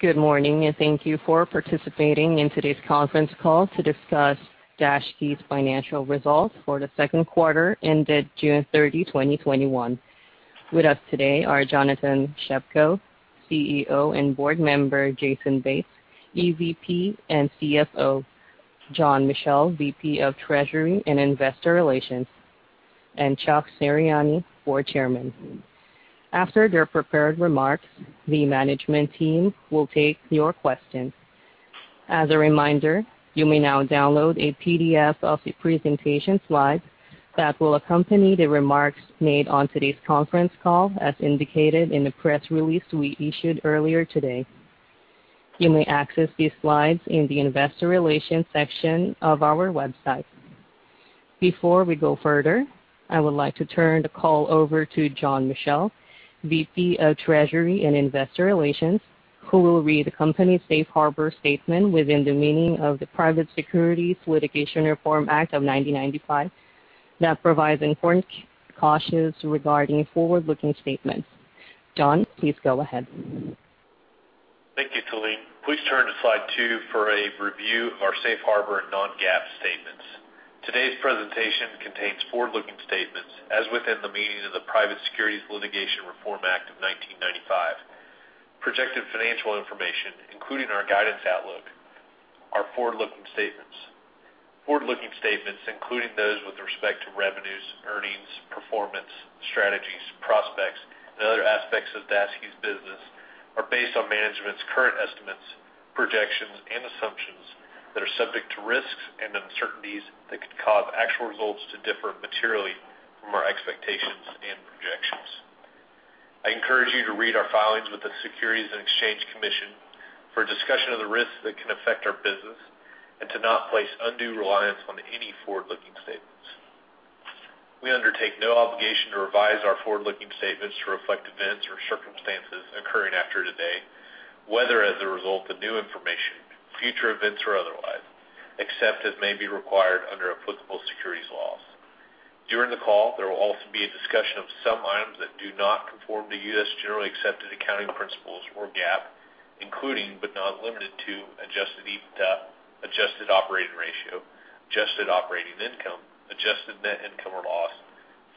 Good morning, and thank you for participating in today's conference call to discuss Daseke's financial results for the second quarter ended June 30, 2021. With us today are Jonathan Shepko, CEO, and board member Jason Bates, EVP and CFO, John Michell, VP of Treasury and Investor Relations, and Charles Serianni, Board Chairman. After their prepared remarks, the management team will take your questions. As a reminder, you may now download a PDF of the presentation slides that will accompany the remarks made on today's conference call, as indicated in the press release we issued earlier today. You may access these slides in the investor relations section of our website. Before we go further, I would like to turn the call over to John Michell, VP of Treasury and Investor Relations, who will read the company's safe harbor statement within the meaning of the Private Securities Litigation Reform Act of 1995 that provides important cautions regarding forward-looking statements. John Michell, please go ahead. Thank you, Taline. Please turn to slide two for a review of our safe harbor and non-GAAP statements. Today's presentation contains forward-looking statements as within the meaning of the Private Securities Litigation Reform Act of 1995. Projected financial information, including our guidance outlook, are forward-looking statements. Forward-looking statements, including those with respect to revenues, earnings, performance, strategies, prospects, and other aspects of Daseke's business, are based on management's current estimates, projections, and assumptions that are subject to risks and uncertainties that could cause actual results to differ materially from our expectations and projections. I encourage you to read our filings with the Securities and Exchange Commission for a discussion of the risks that can affect our business and to not place undue reliance on any forward-looking statements. We undertake no obligation to revise our forward-looking statements to reflect events or circumstances occurring after today, whether as a result of new information, future events, or otherwise, except as may be required under applicable securities laws. During the call, there will also be a discussion of some items that do not conform to U.S. generally accepted accounting principles or GAAP, including but not limited to adjusted EBITDA, adjusted operating ratio, adjusted operating income, adjusted net income or loss,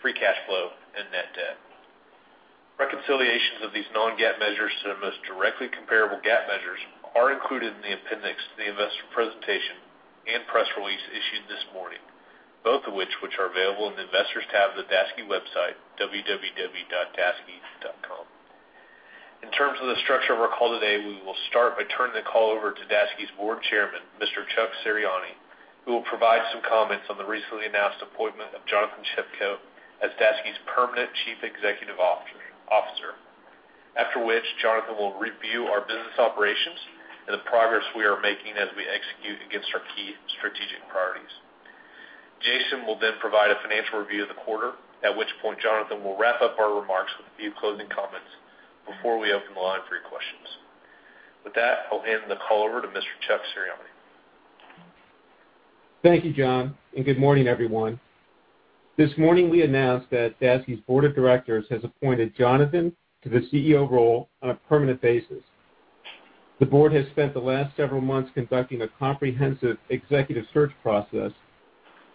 free cash flow, and net debt. Reconciliations of these non-GAAP measures to the most directly comparable GAAP measures are included in the appendix to the investor presentation and press release issued this morning, both of which are available in the investors tab of the Daseke website, www.daseke.com. In terms of the structure of our call today, we will start by turning the call over to Daseke's Board Chairman, Mr. Charles Serianni, who will provide some comments on the recently announced appointment of Jonathan Shepko as Daseke's permanent Chief Executive Officer. After which, Jonathan will review our business operations and the progress we are making as we execute against our key strategic priorities. Jason will then provide a financial review of the quarter, at which point Jonathan will wrap up our remarks with a few closing comments before we open the line for your questions. With that, I'll hand the call over to Mr. Charles Serianni. Thank you, John. Good morning, everyone. This morning, we announced that Daseke's Board of Directors has appointed Jonathan to the CEO role on a permanent basis. The Board has spent the last several months conducting a comprehensive executive search process,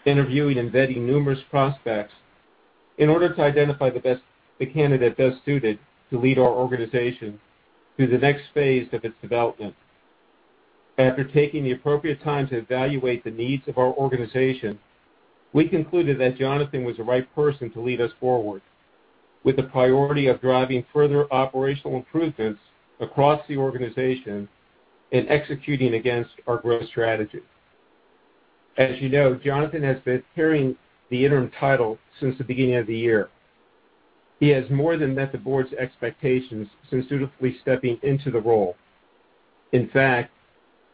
interviewing and vetting numerous prospects in order to identify the candidate best suited to lead our organization through the next phase of its development. After taking the appropriate time to evaluate the needs of our organization, we concluded that Jonathan was the right person to lead us forward with the priority of driving further operational improvements across the organization and executing against our growth strategy. As you know, Jonathan has been carrying the interim title since the beginning of the year. He has more than met the Board's expectations since dutifully stepping into the role. In fact,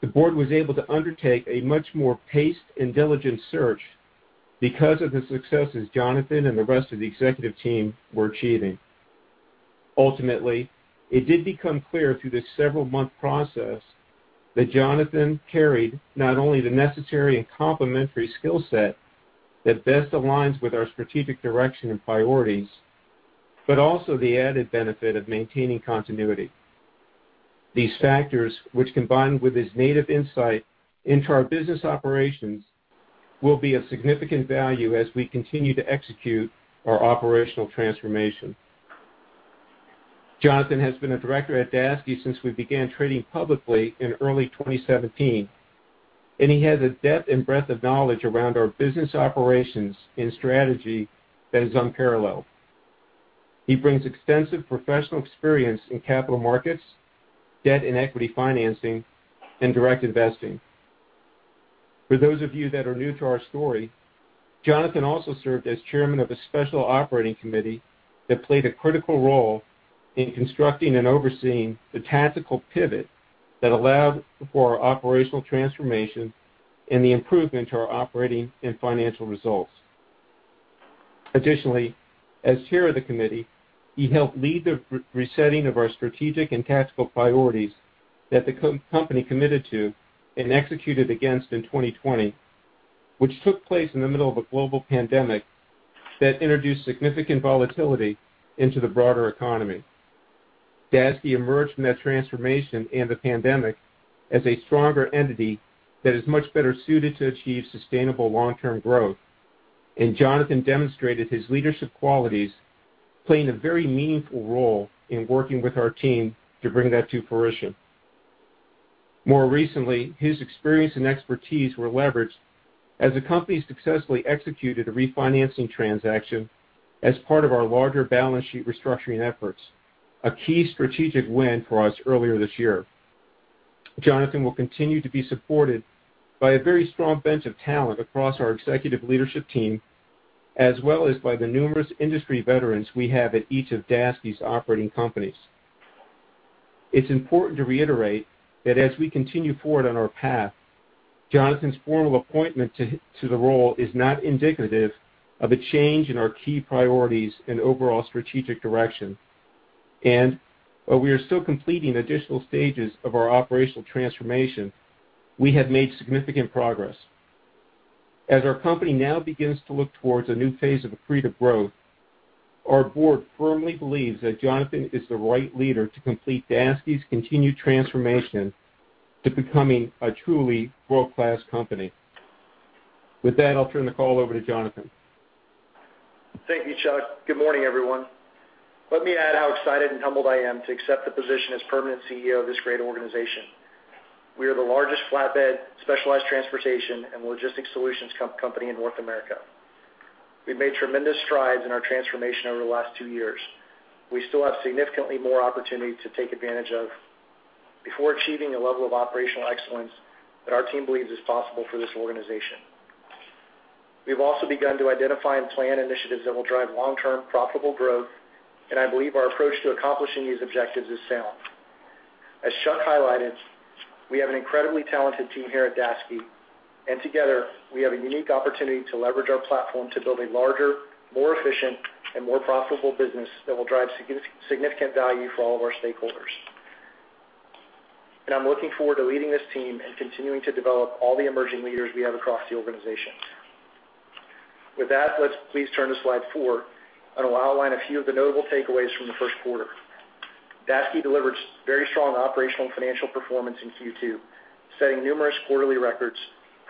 the board was able to undertake a much more paced and diligent search because of the successes Jonathan and the rest of the executive team were achieving. Ultimately, it did become clear through this several-month process that Jonathan carried not only the necessary and complementary skill set that best aligns with our strategic direction and priorities, but also the added benefit of maintaining continuity. These factors, which combined with his native insight into our business operations, will be of significant value as we continue to execute our operational transformation. Jonathan has been a director at Daseke since we began trading publicly in early 2017, and he has a depth and breadth of knowledge around our business operations and strategy that is unparalleled. He brings extensive professional experience in capital markets, debt and equity financing, and direct investing. For those of you that are new to our story, Jonathan also served as chairman of a special operating committee that played a critical role in constructing and overseeing the tactical pivot that allowed for our operational transformation and the improvement to our operating and financial results. Additionally, as chair of the committee, he helped lead the resetting of our strategic and tactical priorities that the company committed to and executed against in 2020. Which took place in the middle of a global pandemic that introduced significant volatility into the broader economy. Daseke emerged from that transformation and the pandemic as a stronger entity that is much better suited to achieve sustainable long-term growth. Jonathan demonstrated his leadership qualities, playing a very meaningful role in working with our team to bring that to fruition. More recently, his experience and expertise were leveraged as the company successfully executed a refinancing transaction as part of our larger balance sheet restructuring efforts, a key strategic win for us earlier this year. Jonathan will continue to be supported by a very strong bench of talent across our executive leadership team, as well as by the numerous industry veterans we have at each of Daseke's operating companies. It's important to reiterate that as we continue forward on our path, Jonathan's formal appointment to the role is not indicative of a change in our key priorities and overall strategic direction. While we are still completing additional stages of our operational transformation, we have made significant progress. As our company now begins to look towards a new phase of accretive growth, our board firmly believes that Jonathan is the right leader to complete Daseke's continued transformation to becoming a truly world-class company. With that, I'll turn the call over to Jonathan. Thank you, Chuck. Good morning, everyone. Let me add how excited and humbled I am to accept the position as permanent CEO of this great organization. We are the largest flatbed, specialized transportation, and logistics solutions company in North America. We've made tremendous strides in our transformation over the last two years. We still have significantly more opportunity to take advantage of before achieving a level of operational excellence that our team believes is possible for this organization. We've also begun to identify and plan initiatives that will drive long-term profitable growth. I believe our approach to accomplishing these objectives is sound. As Chuck highlighted, we have an incredibly talented team here at Daseke. Together, we have a unique opportunity to leverage our platform to build a larger, more efficient, and more profitable business that will drive significant value for all of our stakeholders. I'm looking forward to leading this team and continuing to develop all the emerging leaders we have across the organization. With that, let's please turn to slide four, and I'll outline a few of the notable takeaways from the first quarter. Daseke delivered very strong operational and financial performance in Q2, setting numerous quarterly records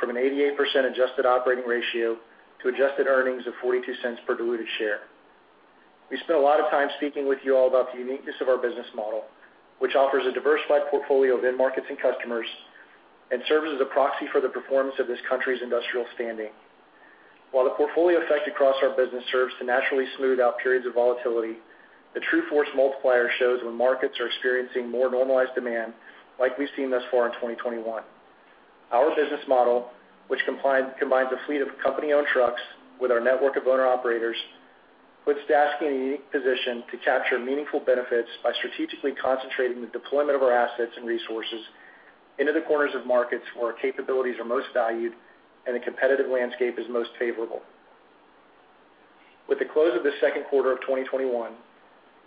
from an 88% adjusted operating ratio to adjusted earnings of $0.42 per diluted share. We spent a lot of time speaking with you all about the uniqueness of our business model, which offers a diversified portfolio of end markets and customers and serves as a proxy for the performance of this country's industrial standing. While the portfolio effect across our business serves to naturally smooth out periods of volatility, the true force multiplier shows when markets are experiencing more normalized demand like we've seen thus far in 2021. Our business model, which combines a fleet of company-owned trucks with our network of owner-operators, puts Daseke in a unique position to capture meaningful benefits by strategically concentrating the deployment of our assets and resources into the corners of markets where our capabilities are most valued and the competitive landscape is most favorable. With the close of second quarter 2021,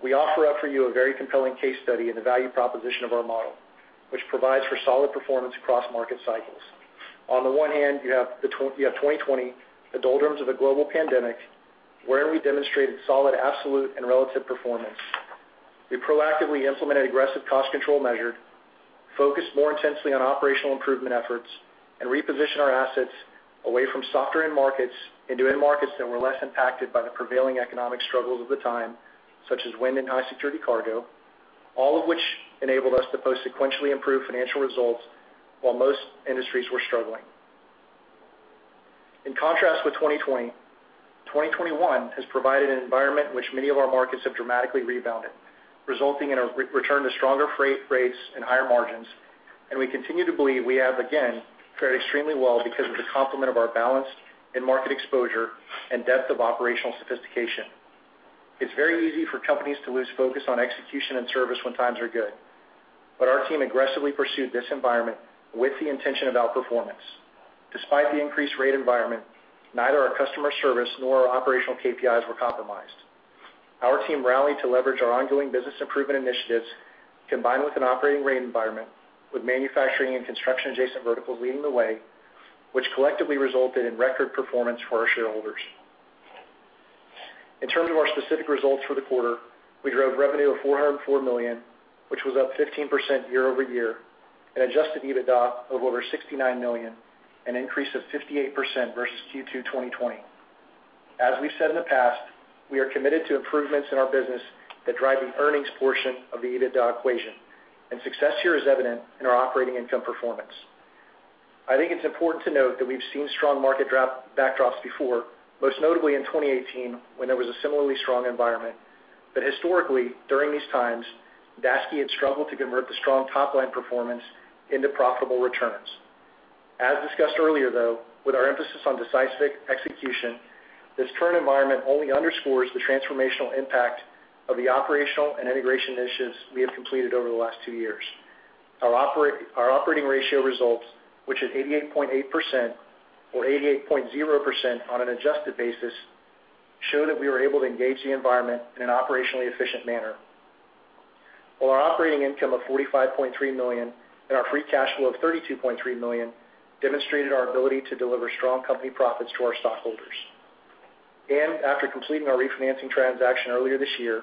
we offer up for you a very compelling case study in the value proposition of our model, which provides for solid performance across market cycles. On the one hand, you have 2020, the doldrums of a global pandemic, where we demonstrated solid absolute and relative performance. We proactively implemented aggressive cost control measures, focused more intensely on operational improvement efforts, and repositioned our assets away from softer end markets into end markets that were less impacted by the prevailing economic struggles of the time, such as wind and high-security cargo, all of which enabled us to post sequentially improved financial results while most industries were struggling. In contrast with 2020, 2021 has provided an environment in which many of our markets have dramatically rebounded, resulting in a return to stronger freight rates and higher margins. We continue to believe we have again fared extremely well because of the complement of our balanced end market exposure and depth of operational sophistication. It's very easy for companies to lose focus on execution and service when times are good, but our team aggressively pursued this environment with the intention of outperformance. Despite the increased rate environment, neither our customer service nor our operational KPIs were compromised. Our team rallied to leverage our ongoing business improvement initiatives, combined with an operating rate environment with manufacturing and construction-adjacent verticals leading the way, which collectively resulted in record performance for our shareholders. In terms of our specific results for the quarter, we drove revenue of $404 million, which was up 15% year-over-year, and adjusted EBITDA of over $69 million, an increase of 58% versus Q2 2020. As we've said in the past, we are committed to improvements in our business that drive the earnings portion of the EBITDA equation, and success here is evident in our operating income performance. I think it's important to note that we've seen strong market backdrops before, most notably in 2018, when there was a similarly strong environment. Historically, during these times, Daseke had struggled to convert the strong top-line performance into profitable returns. As discussed earlier, though, with our emphasis on decisive execution, this current environment only underscores the transformational impact of the operational and integration initiatives we have completed over the last two years. Our operating ratio results, which at 88.8%, or 88.0% on an adjusted basis, show that we were able to engage the environment in an operationally efficient manner. Our operating income of $45.3 million and our free cash flow of $32.3 million demonstrated our ability to deliver strong company profits to our stockholders. After completing our refinancing transaction earlier this year,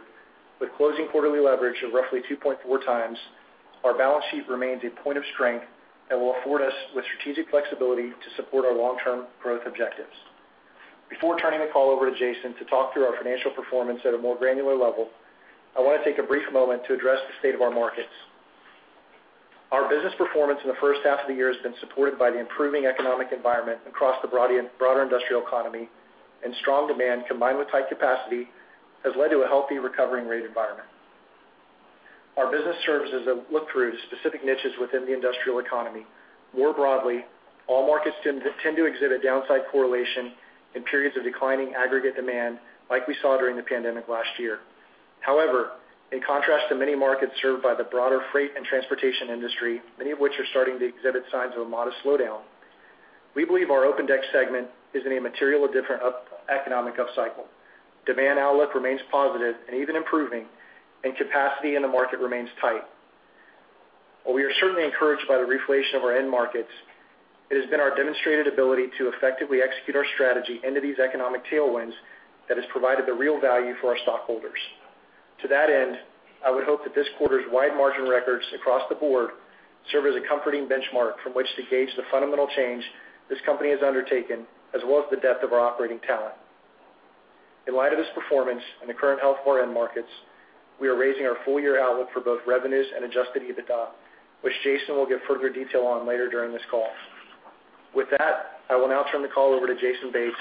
with closing quarterly leverage of roughly 2.4 times, our balance sheet remains a point of strength that will afford us with strategic flexibility to support our long-term growth objectives. Before turning the call over to Jason to talk through our financial performance at a more granular level, I want to take a brief moment to address the state of our markets. Our business performance in the first half of the year has been supported by the improving economic environment across the broader industrial economy. Strong demand, combined with tight capacity, has led to a healthy recovering rate environment. Our business services have looked through to specific niches within the industrial economy. More broadly, all markets tend to exhibit downside correlation in periods of declining aggregate demand, like we saw during the pandemic last year. However, in contrast to many markets served by the broader freight and transportation industry, many of which are starting to exhibit signs of a modest slowdown, we believe our Open Deck segment is in a material different economic upcycle. Demand outlook remains positive and even improving, and capacity in the market remains tight. While we are certainly encouraged by the reflation of our end markets, it has been our demonstrated ability to effectively execute our strategy into these economic tailwinds that has provided the real value for our stockholders. To that end, I would hope that this quarter's wide margin records across the board serve as a comforting benchmark from which to gauge the fundamental change this company has undertaken, as well as the depth of our operating talent. In light of this performance and the current health of our end markets, we are raising our full-year outlook for both revenues and adjusted EBITDA, which Jason will give further detail on later during this call. With that, I will now turn the call over to Jason Bates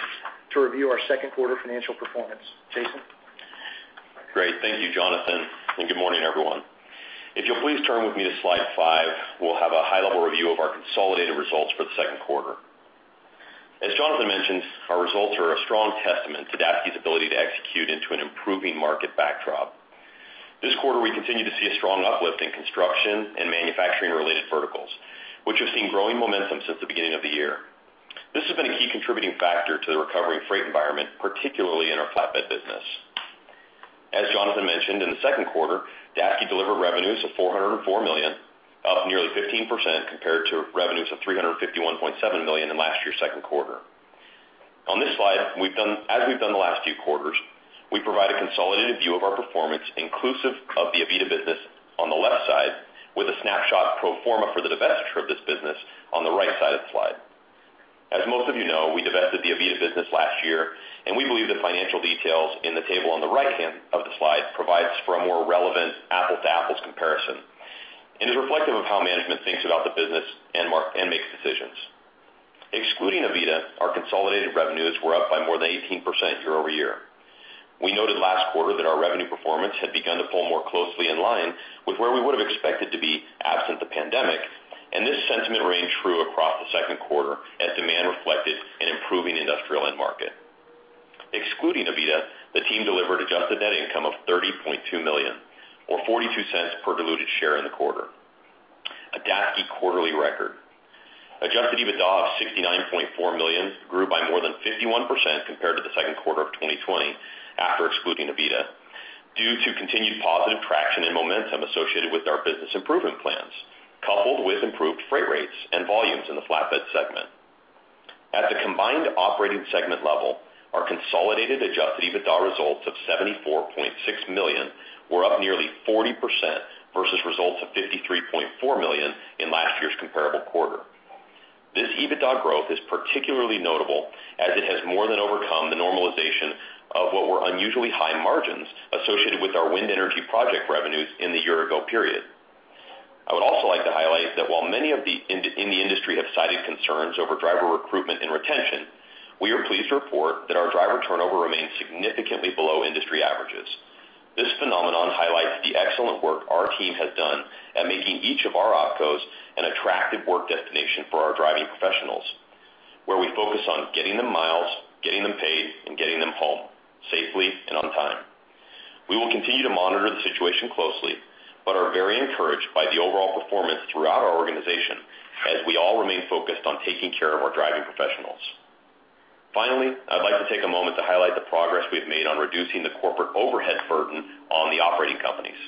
to review our second quarter financial performance. Jason? Great. Thank you, Jonathan, and good morning, everyone. If you'll please turn with me to slide five, we'll have a high-level review of our consolidated results for the second quarter. As Jonathan mentioned, our results are a strong testament to Daseke's ability to execute into an improving market backdrop. This quarter, we continue to see a strong uplift in construction and manufacturing-related verticals, which have seen growing momentum since the beginning of the year. This has been a key contributing factor to the recovery of freight environment, particularly in our flatbed business. As Jonathan mentioned, in the second quarter, Daseke delivered revenues of $404 million, up nearly 15% compared to revenues of $351.7 million in last year's second quarter. On this slide, as we've done the last few quarters, we provide a consolidated view of our performance inclusive of the Aveda business on the left side, with a snapshot pro forma for the divesture of this business on the right side of the slide. As most of you know, we divested the Aveda business last year, and we believe the financial details in the table on the right-hand of the slide provides for a more relevant apple-to-apples comparison, and is reflective of how management thinks about the business and makes decisions. Excluding Aveda, our consolidated revenues were up by more than 18% year-over-year. We noted last quarter that our revenue performance had begun to pull more closely in line with where we would've expected to be absent the pandemic, and this sentiment rang true across the second quarter as demand reflected an improving industrial end market. Excluding Aveda, the team delivered adjusted net income of $30.2 million or $0.42 per diluted share in the quarter, a Daseke quarterly record. Adjusted EBITDA of $69.4 million grew by more than 51% compared to the second quarter of 2020 after excluding Aveda due to continued positive traction and momentum associated with our business improvement plans, coupled with improved freight rates and volumes in the flatbed segment. At the combined operating segment level, our consolidated adjusted EBITDA results of $74.6 million were up nearly 40% versus results of $53.4 million in last year's comparable quarter. This EBITDA growth is particularly notable as it has more than overcome the normalization of what were unusually high margins associated with our wind energy project revenues in the year-ago period. I would also like to highlight that while many in the industry have cited concerns over driver recruitment and retention, we are pleased to report that our driver turnover remains significantly below industry averages. This phenomenon highlights the excellent work our team has done at making each of our opcos an attractive work destination for our driving professionals, where we focus on getting them miles, getting them paid, and getting them home safely and on time. We will continue to monitor the situation closely, but are very encouraged by the overall performance throughout our organization as we all remain focused on taking care of our driving professionals. Finally, I'd like to take a moment to highlight the progress we've made on reducing the corporate overhead burden on the operating companies,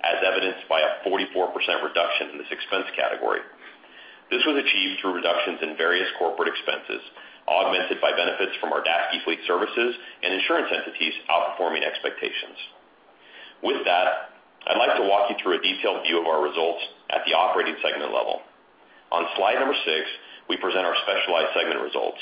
as evidenced by a 44% reduction in this expense category. This was achieved through reductions in various corporate expenses, augmented by benefits from our Daseke Fleet Services and insurance entities outperforming expectations. With that, I'd like to walk you through a detailed view of our results at the operating segment level. On slide number six, we present our specialized segment results.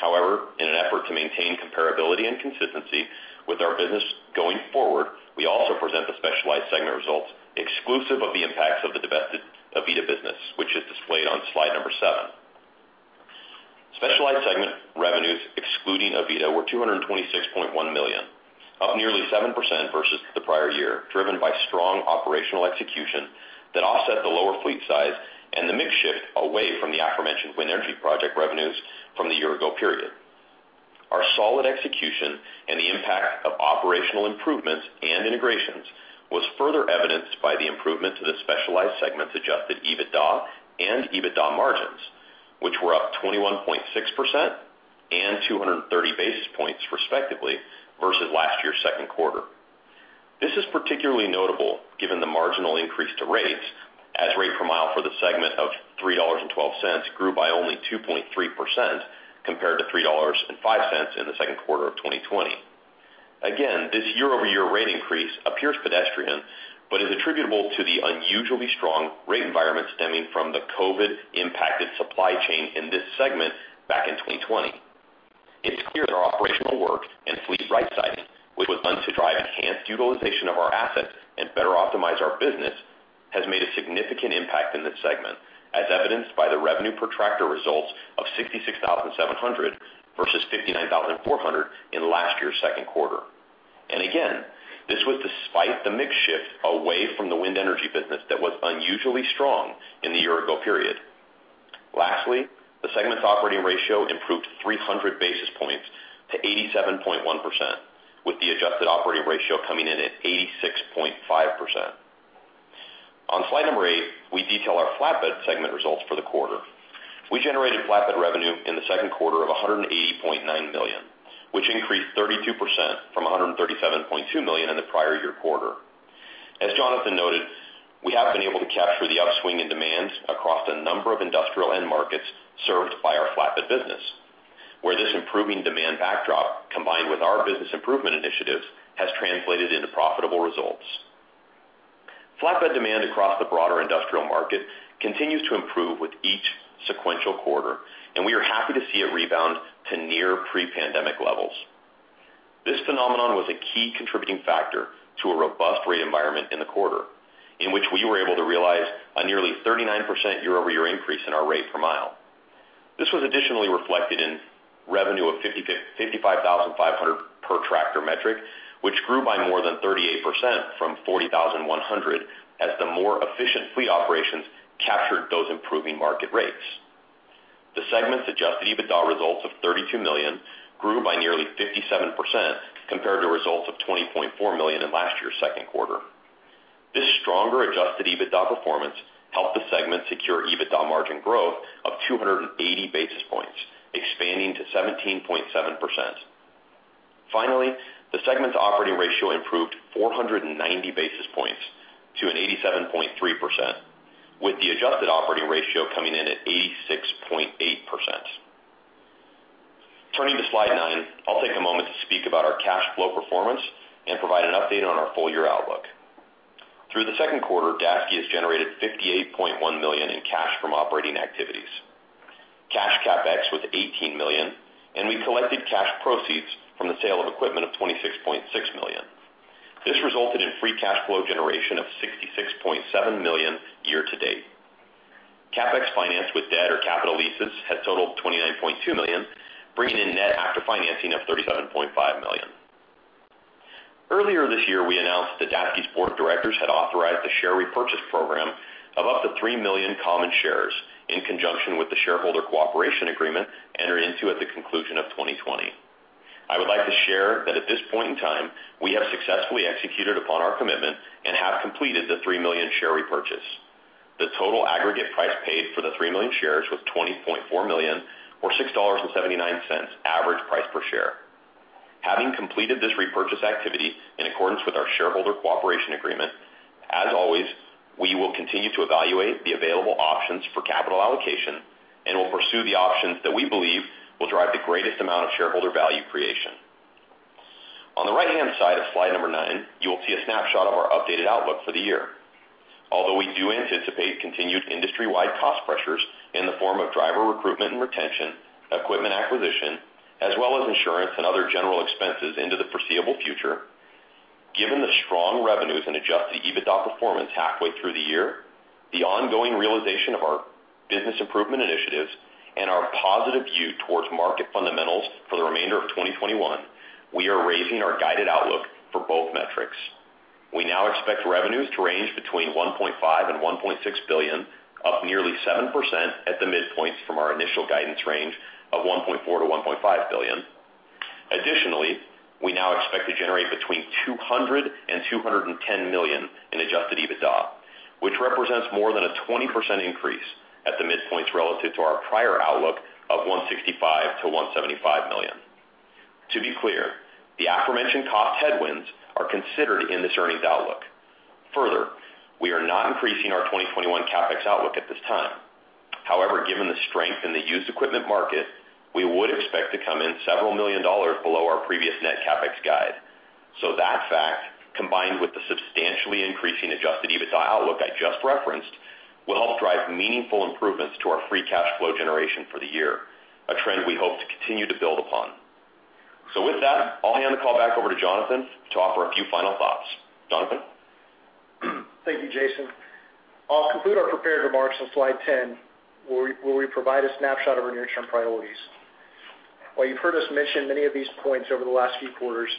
However, in an effort to maintain comparability and consistency with our business going forward, we also present the specialized segment results exclusive of the impacts of the divested Aveda business, which is displayed on slide number seven. Specialized segment revenues excluding Aveda were $226.1 million, up nearly 7% versus the prior year, driven by strong operational execution that offset the lower fleet size and the mix shift away from the aforementioned wind energy project revenues from the year-ago period. Our solid execution and the impact of operational improvements and integrations was further evidenced by the improvement to the specialized segment's adjusted EBITDA and EBITDA margins, which were up 21.6% and 230 basis points respectively versus last year's second quarter. This is particularly notable given the marginal increase to rates as rate per mile for the segment of $3.12 grew by only 2.3% compared to $3.05 in the second quarter of 2020. Again, this year-over-year rate increase appears pedestrian, but is attributable to the unusually strong rate environment stemming from the COVID-impacted supply chain in this segment back in 2020. It's clear that our operational work and fleet rightsizing, which was done to drive enhanced utilization of our assets and better optimize our business, has made a significant impact in this segment, as evidenced by the revenue per tractor results of $66,700 versus $59,400 in last year's second quarter. Again, this was despite the mix shift away from the wind energy business that was unusually strong in the year-ago period. Lastly, the segment's operating ratio improved 300 basis points to 87.1%, with the adjusted operating ratio coming in at 86.5%. On slide number eight, we detail our flatbed segment results for the quarter. We generated flatbed revenue in the second quarter of $180.9 million, which increased 32% from $137.2 million in the prior year quarter. As Jonathan noted, we have been able to capture the upswing in demands across a number of industrial end markets served by our flatbed business, where this improving demand backdrop, combined with our business improvement initiatives, has translated into profitable results. Flatbed demand across the broader industrial market continues to improve with each sequential quarter, and we are happy to see it rebound to near pre-pandemic levels. This phenomenon was a key contributing factor to a robust rate environment in the quarter, in which we were able to realize a nearly 39% year-over-year increase in our rate per mile. This was additionally reflected in revenue of $55,500 per tractor metric, which grew by more than 38% from $40,100, as the more efficient fleet operations captured those improving market rates. The segment's adjusted EBITDA results of $32 million grew by nearly 57% compared to results of $20.4 million in last year's second quarter. This stronger adjusted EBITDA performance helped the segment secure EBITDA margin growth of 280 basis points, expanding to 17.7%. Finally, the segment's operating ratio improved 490 basis points to an 87.3%, with the adjusted operating ratio coming in at 86.8%. Turning to slide nine, I'll take a moment to speak about our cash flow performance and provide an update on our full-year outlook. Through the second quarter, Daseke has generated $58.1 million in cash from operating activities. Cash CapEx was $18 million, and we collected cash proceeds from the sale of equipment of $26.6 million. This resulted in free cash flow generation of $66.7 million year to date. CapEx financed with debt or capital leases had totaled $29.2 million, bringing in net after financing of $37.5 million. Earlier this year, we announced that Daseke's board of directors had authorized a share repurchase program of up to 3 million common shares in conjunction with the shareholder cooperation agreement entered into at the conclusion of 2020. I would like to share that at this point in time, we have successfully executed upon our commitment and have completed the 3 million share repurchase. The total aggregate price paid for the 3 million shares was $20.4 million or $6.79 average price per share. Having completed this repurchase activity in accordance with our shareholder cooperation agreement, as always, we will continue to evaluate the available options for capital allocation and will pursue the options that we believe will drive the greatest amount of shareholder value creation. On the right-hand side of slide number nine, you will see a snapshot of our updated outlook for the year. Although we do anticipate continued industry-wide cost pressures in the form of driver recruitment and retention, equipment acquisition, as well as insurance and other general expenses into the foreseeable future, given the strong revenues and adjusted EBITDA performance halfway through the year, the ongoing realization of our business improvement initiatives, and our positive view towards market fundamentals for the remainder of 2021, we are raising our guided outlook for both metrics. We now expect revenues to range between $1.5 billion and $1.6 billion, up nearly 7% at the midpoints from our initial guidance range of $1.4 billion-$1.5 billion. Additionally, we now expect to generate between $200 million and $210 million in adjusted EBITDA, which represents more than a 20% increase at the midpoints relative to our prior outlook of $165 million-$175 million. To be clear, the aforementioned cost headwinds are considered in this earnings outlook. Further, we are not increasing our 2021 CapEx outlook at this time. However, given the strength in the used equipment market, we would expect to come in $several million below our previous net CapEx guide. That fact, combined with the substantially increasing adjusted EBITDA outlook I just referenced, will help drive meaningful improvements to our free cash flow generation for the year, a trend we hope to continue to build upon. With that, I'll hand the call back over to Jonathan to offer a few final thoughts. Jonathan? Thank you, Jason. I'll conclude our prepared remarks on slide 10, where we provide a snapshot of our near-term priorities. While you've heard us mention many of these points over the last few quarters,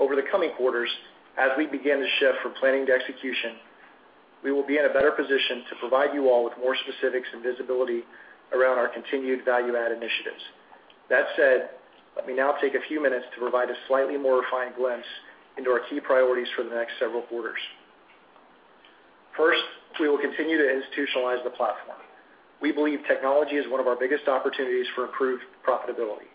over the coming quarters, as we begin to shift from planning to execution, we will be in a better position to provide you all with more specifics and visibility around our continued value add initiatives. That said, let me now take a few minutes to provide a slightly more refined glimpse into our key priorities for the next several quarters. First, we will continue to institutionalize the platform. We believe technology is one of our biggest opportunities for improved profitability,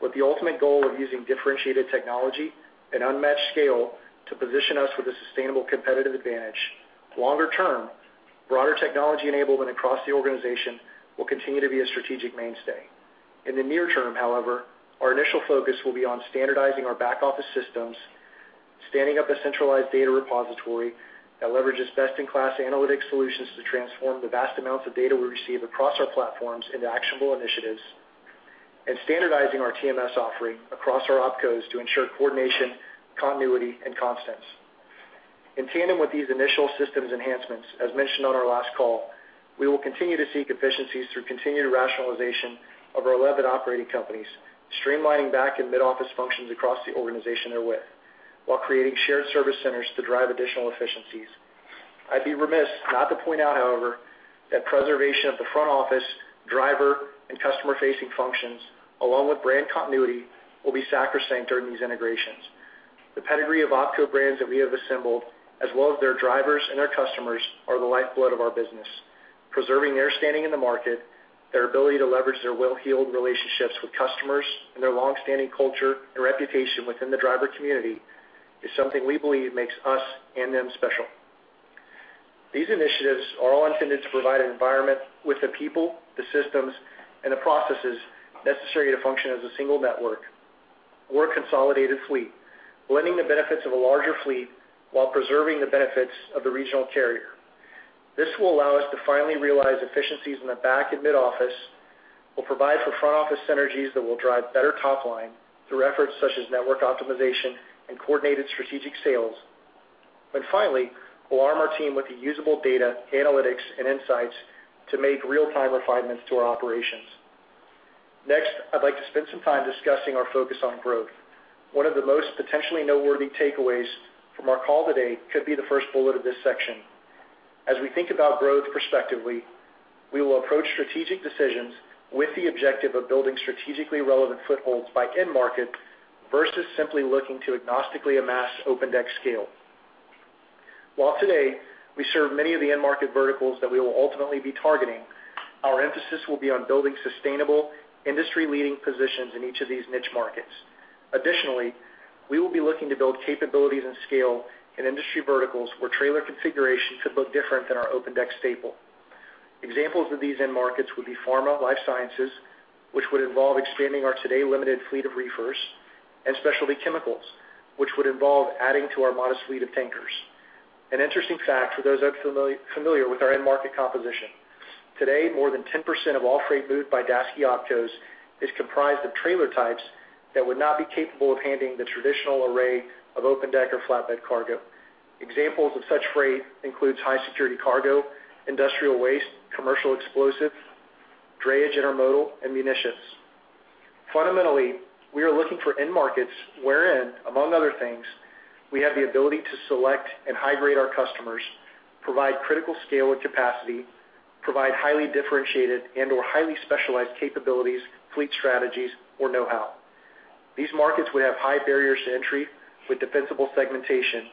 with the ultimate goal of using differentiated technology and unmatched scale to position us with a sustainable competitive advantage. Longer-term, broader technology enablement across the organization will continue to be a strategic mainstay. In the near term, however, our initial focus will be on standardizing our back-office systems, standing up a centralized data repository that leverages best-in-class analytics solutions to transform the vast amounts of data we receive across our platforms into actionable initiatives, and standardizing our TMS offering across our opcos to ensure coordination, continuity, and constants. In tandem with these initial systems enhancements, as mentioned on our last call, we will continue to seek efficiencies through continued rationalization of our 11 operating companies, streamlining back and mid-office functions across the organization therewith while creating shared service centers to drive additional efficiencies. I'd be remiss not to point out, however, that preservation of the front office, driver, and customer-facing functions, along with brand continuity, will be sacrosanct during these integrations. The pedigree of opco brands that we have assembled, as well as their drivers and their customers, are the lifeblood of our business. Preserving their standing in the market, their ability to leverage their well-heeled relationships with customers, and their long-standing culture and reputation within the driver community is something we believe makes us and them special. These initiatives are all intended to provide an environment with the people, the systems, and the processes necessary to function as a single network or a consolidated fleet, blending the benefits of a larger fleet while preserving the benefits of the regional carrier. This will allow us to finally realize efficiencies in the back and mid office, will provide for front-office synergies that will drive better top line through efforts such as network optimization and coordinated strategic sales. Finally, we'll arm our team with the usable data, analytics, and insights to make real-time refinements to our operations. Next, I'd like to spend some time discussing our focus on growth. One of the most potentially noteworthy takeaways from our call today could be the first bullet of this section. As we think about growth prospectively, we will approach strategic decisions with the objective of building strategically relevant footholds by end market versus simply looking to agnostically amass Open Deck scale. While today we serve many of the end market verticals that we will ultimately be targeting, our emphasis will be on building sustainable, industry-leading positions in each of these niche markets. Additionally, we will be looking to build capabilities and scale in industry verticals where trailer configurations could look different than our Open Deck staple. Examples of these end markets would be pharma, life sciences, which would involve expanding our today limited fleet of reefers, and specialty chemicals, which would involve adding to our modest fleet of tankers. An interesting fact for those unfamiliar with our end market composition, today, more than 10% of all freight moved by Daseke opcos is comprised of trailer types that would not be capable of handling the traditional array of Open Deck or flatbed cargo. Examples of such freight includes high-security cargo, industrial waste, commercial explosives, drayage intermodal, and munitions. Fundamentally, we are looking for end markets wherein, among other things, we have the ability to select and high-grade our customers, provide critical scale and capacity, provide highly differentiated and/or highly specialized capabilities, fleet strategies, or know-how. These markets would have high barriers to entry with defensible segmentation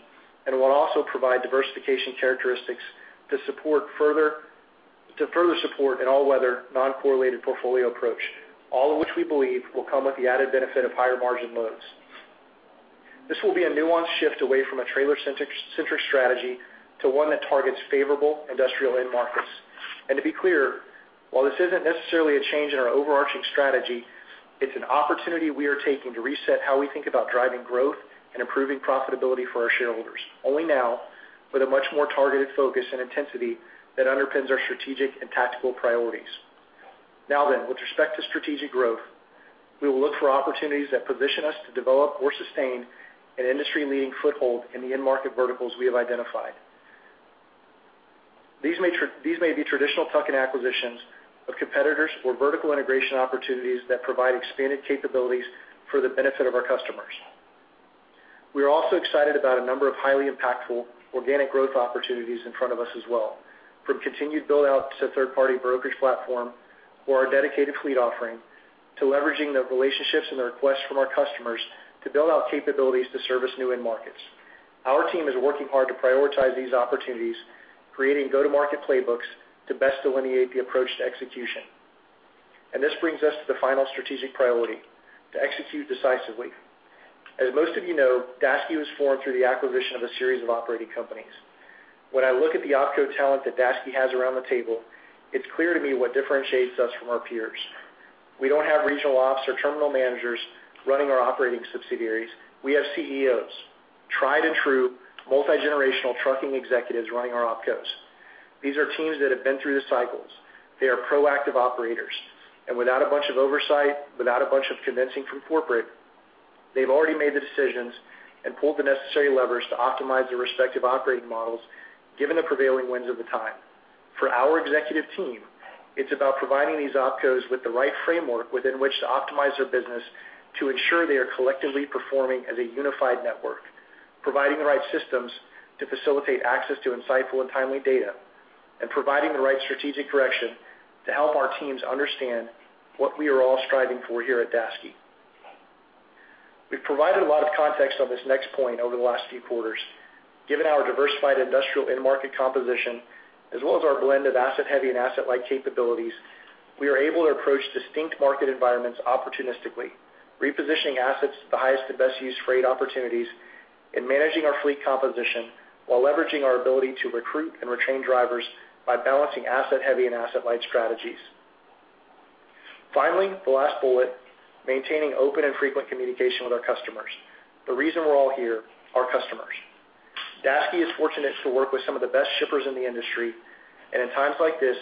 and will also provide diversification characteristics to further support an all-weather, non-correlated portfolio approach, all of which we believe will come with the added benefit of higher-margin loads. To be clear, while this isn't necessarily a change in our overarching strategy, it's an opportunity we are taking to reset how we think about driving growth and improving profitability for our shareholders, only now with a much more targeted focus and intensity that underpins our strategic and tactical priorities. With respect to strategic growth, we will look for opportunities that position us to develop or sustain an industry-leading foothold in the end-market verticals we have identified. These may be traditional tuck-in acquisitions of competitors or vertical integration opportunities that provide expanded capabilities for the benefit of our customers. We are also excited about a number of highly impactful organic growth opportunities in front of us as well, from continued build-outs to third-party brokerage platform or our dedicated fleet offering, to leveraging the relationships and the requests from our customers to build out capabilities to service new end markets. Our team is working hard to prioritize these opportunities, creating go-to-market playbooks to best delineate the approach to execution. This brings us to the final strategic priority, to execute decisively. As most of you know, Daseke was formed through the acquisition of a series of operating companies. When I look at the opco talent that Daseke has around the table, it's clear to me what differentiates us from our peers. We don't have regional ops or terminal managers running our operating subsidiaries. We have CEOs, tried and true multi-generational trucking executives running our opcos. These are teams that have been through the cycles. They are proactive operators, and without a bunch of oversight, without a bunch of convincing from corporate, they've already made the decisions and pulled the necessary levers to optimize their respective operating models, given the prevailing winds of the time. For our executive team, it's about providing these opcos with the right framework within which to optimize their business to ensure they are collectively performing as a unified network, providing the right systems to facilitate access to insightful and timely data, and providing the right strategic direction to help our teams understand what we are all striving for here at Daseke. We've provided a lot of context on this next point over the last few quarters. Given our diversified industrial end market composition, as well as our blend of asset-heavy and asset-light capabilities, we are able to approach distinct market environments opportunistically, repositioning assets to the highest and best use freight opportunities, and managing our fleet composition while leveraging our ability to recruit and retain drivers by balancing asset-heavy and asset-light strategies. Finally, the last bullet, maintaining open and frequent communication with our customers. The reason we're all here, our customers. Daseke is fortunate to work with some of the best shippers in the industry, and in times like this,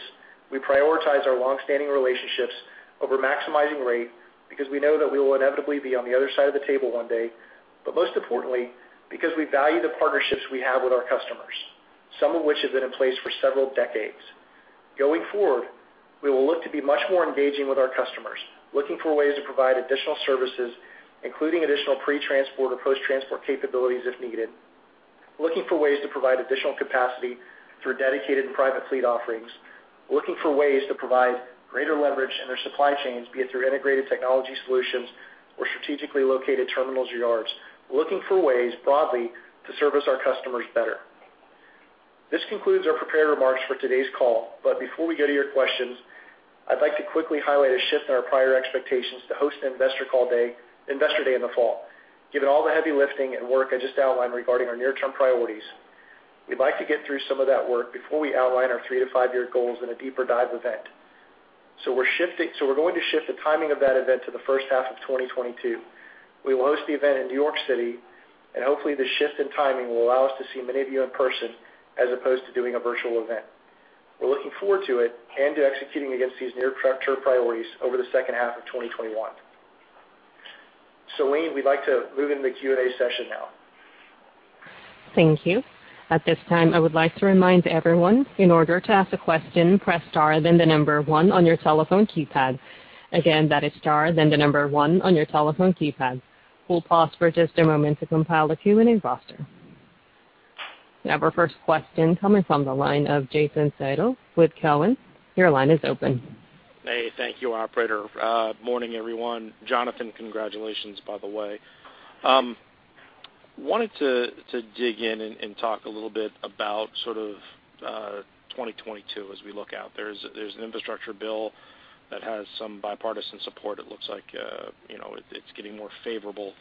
we prioritize our longstanding relationships over maximizing rate, because we know that we will inevitably be on the other side of the table one day, but most importantly, because we value the partnerships we have with our customers, some of which have been in place for several decades. Going forward, we will look to be much more engaging with our customers, looking for ways to provide additional services, including additional pre-transport or post-transport capabilities if needed. Looking for ways to provide additional capacity through dedicated and private fleet offerings. Looking for ways to provide greater leverage in their supply chains, be it through integrated technology solutions or strategically located terminals or yards. Looking for ways, broadly, to service our customers better. This concludes our prepared remarks for today's call, but before we go to your questions, I'd like to quickly highlight a shift in our prior expectations to host an investor day in the fall. Given all the heavy lifting and work I just outlined regarding our near-term priorities, we'd like to get through some of that work before we outline our three to five year goals in a deeper dive event. We're going to shift the timing of that event to the first half of 2022. We will host the event in New York City, and hopefully the shift in timing will allow us to see many of you in person as opposed to doing a virtual event. We're looking forward to it and to executing against these near-term priorities over the second half of 2021. Celine, we'd like to move into the Q&A session now. Thank you. At this time, I would like to remind everyone, in order to ask a question, press star then the number one on your telephone keypad. Again, that is star then the number one on your telephone keypad. We'll pause for just a moment to compile the Q&A roster. We have our first question coming from the line of Jason Seidl with Cowen. Your line is open. Hey. Thank you, operator. Morning, everyone. Jonathan, congratulations by the way. Wanted to dig in and talk a little bit about sort of 2022 as we look out. There's an infrastructure bill that has some bipartisan support. It looks like it's getting more favorable press,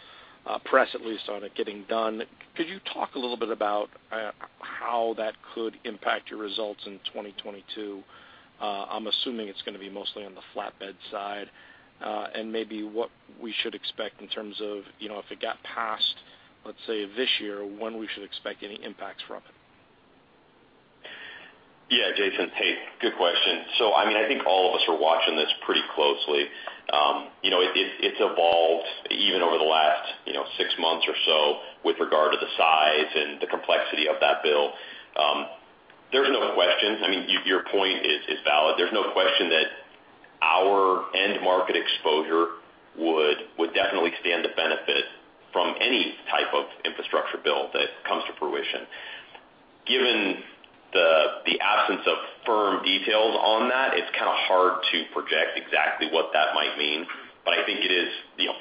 at least, on it getting done. Could you talk a little bit about how that could impact your results in 2022? I'm assuming it's going to be mostly on the flatbed side. Maybe what we should expect in terms of, if it got passed, let's say, this year, when we should expect any impacts from it. Yeah, Jason. Hey, good question. I think all of us are watching this pretty closely. It's evolved even over the last six months or so with regard to the size and the complexity of that bill. There's no question. Your point is valid. There's no question that our end market exposure would definitely stand to benefit from any type of infrastructure bill that comes to fruition. Given the absence of firm details on that, it's kind of hard to project exactly what that might mean. I think it is,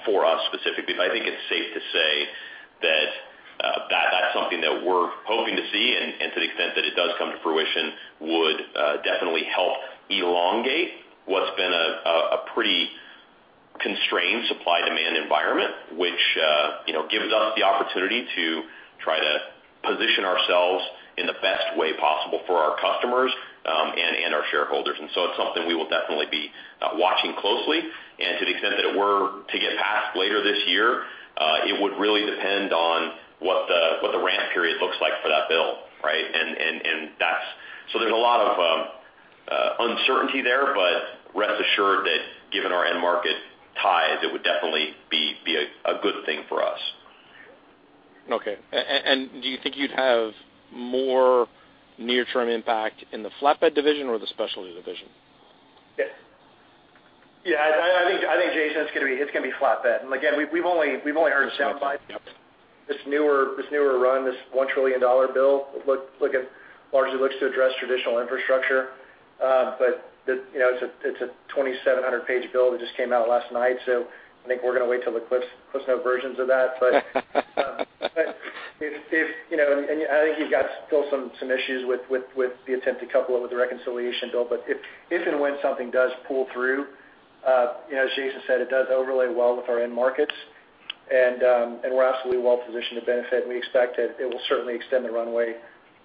for us specifically, I think it's safe to say that that's something that we're hoping to see, and to the extent that it does come to fruition, would definitely help elongate what's been a pretty constrained supply-demand environment, which gives us the opportunity to try to position ourselves in the best way possible for our customers and our shareholders. It's something we will definitely be watching closely. To the extent that it were to get passed later this year, it would really depend on what the ramp period looks like for that bill. Right? There's a lot of uncertainty there, but rest assured that given our end market ties, it would definitely be a good thing for us. Okay. Do you think you'd have more near-term impact in the flatbed division or the specialty division? Yeah. I think, Jason, it's going to be flatbed. Again, we've only heard the soundbite. This newer run, this $1 trillion bill, largely looks to address traditional infrastructure. It's a 2,700-page bill that just came out last night. I think we're going to wait till the CliffsNotes versions of that. I think you've got still some issues with the attempt to couple it with the reconciliation bill. If and when something does pull through, as Jason said, it does overlay well with our end markets. We're absolutely well-positioned to benefit, and we expect that it will certainly extend the runway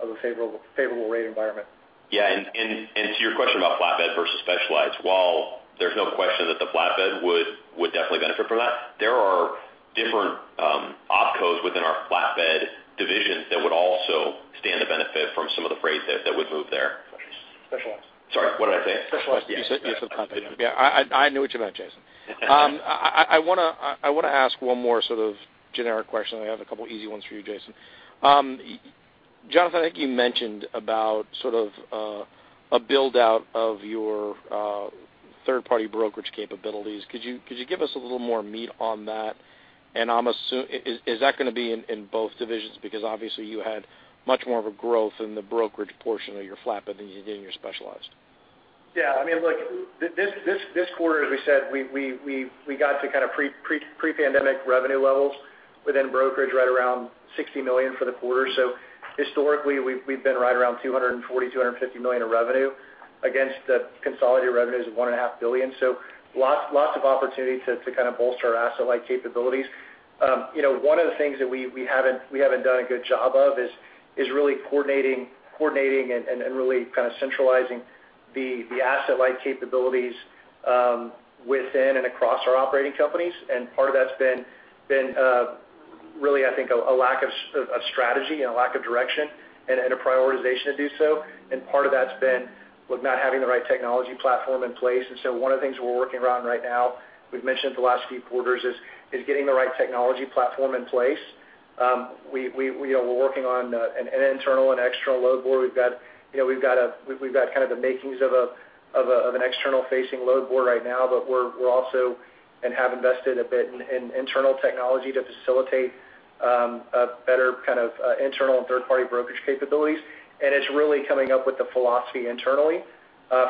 of a favorable rate environment. Yeah, to your question about flatbed versus specialized, while there's no question that the flatbed would definitely benefit from that, there are different opcos within our flatbed divisions that would also stand to benefit from some of the freight that would move there. Specialized. Sorry, what did I say? Specialized. You said opco. Yeah, I knew what you meant, Jason. I want to ask one more sort of generic question. I have a couple easy ones for you, Jason. Jonathan, I think you mentioned about sort of a build-out of your third-party brokerage capabilities. Could you give us a little more meat on that? Is that going to be in both divisions? Because obviously you had much more of a growth in the brokerage portion of your flatbed than you did in your specialized. This quarter, as we said, we got to kind of pre-pandemic revenue levels within brokerage, right around $60 million for the quarter. Historically, we've been right around $240 million, $250 million of revenue against the consolidated revenues of $1.5 billion. Lots of opportunity to kind of bolster our asset-light capabilities. One of the things that we haven't done a good job of is really coordinating and really kind of centralizing the asset-light capabilities within and across our operating companies. Part of that's been really, I think, a lack of strategy and a lack of direction and a prioritization to do so. Part of that's been with not having the right technology platform in place. One of the things we're working around right now, we've mentioned the last few quarters, is getting the right technology platform in place. We're working on an internal and external load board. We've got kind of the makings of an external-facing load board right now, but we're also, and have invested a bit in internal technology to facilitate a better kind of internal third-party brokerage capabilities. It's really coming up with the philosophy internally,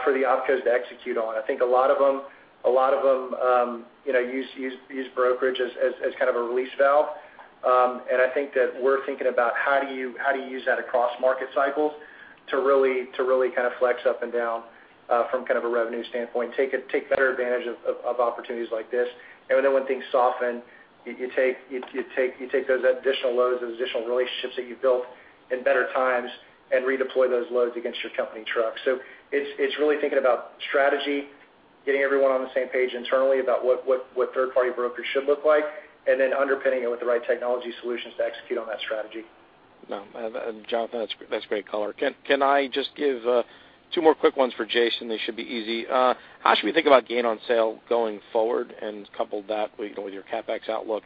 for the opcos to execute on. I think a lot of them use brokerage as kind of a release valve. I think that we're thinking about how do you use that across market cycles to really kind of flex up and down from kind of a revenue standpoint, take better advantage of opportunities like this. When things soften, you take those additional loads, those additional relationships that you've built in better times and redeploy those loads against your company trucks. It's really thinking about strategy, getting everyone on the same page internally about what third-party brokers should look like, and then underpinning it with the right technology solutions to execute on that strategy. No. Jonathan, that's great color. Can I just give two more quick ones for Jason? They should be easy. How should we think about gain on sale going forward and couple that with your CapEx outlook?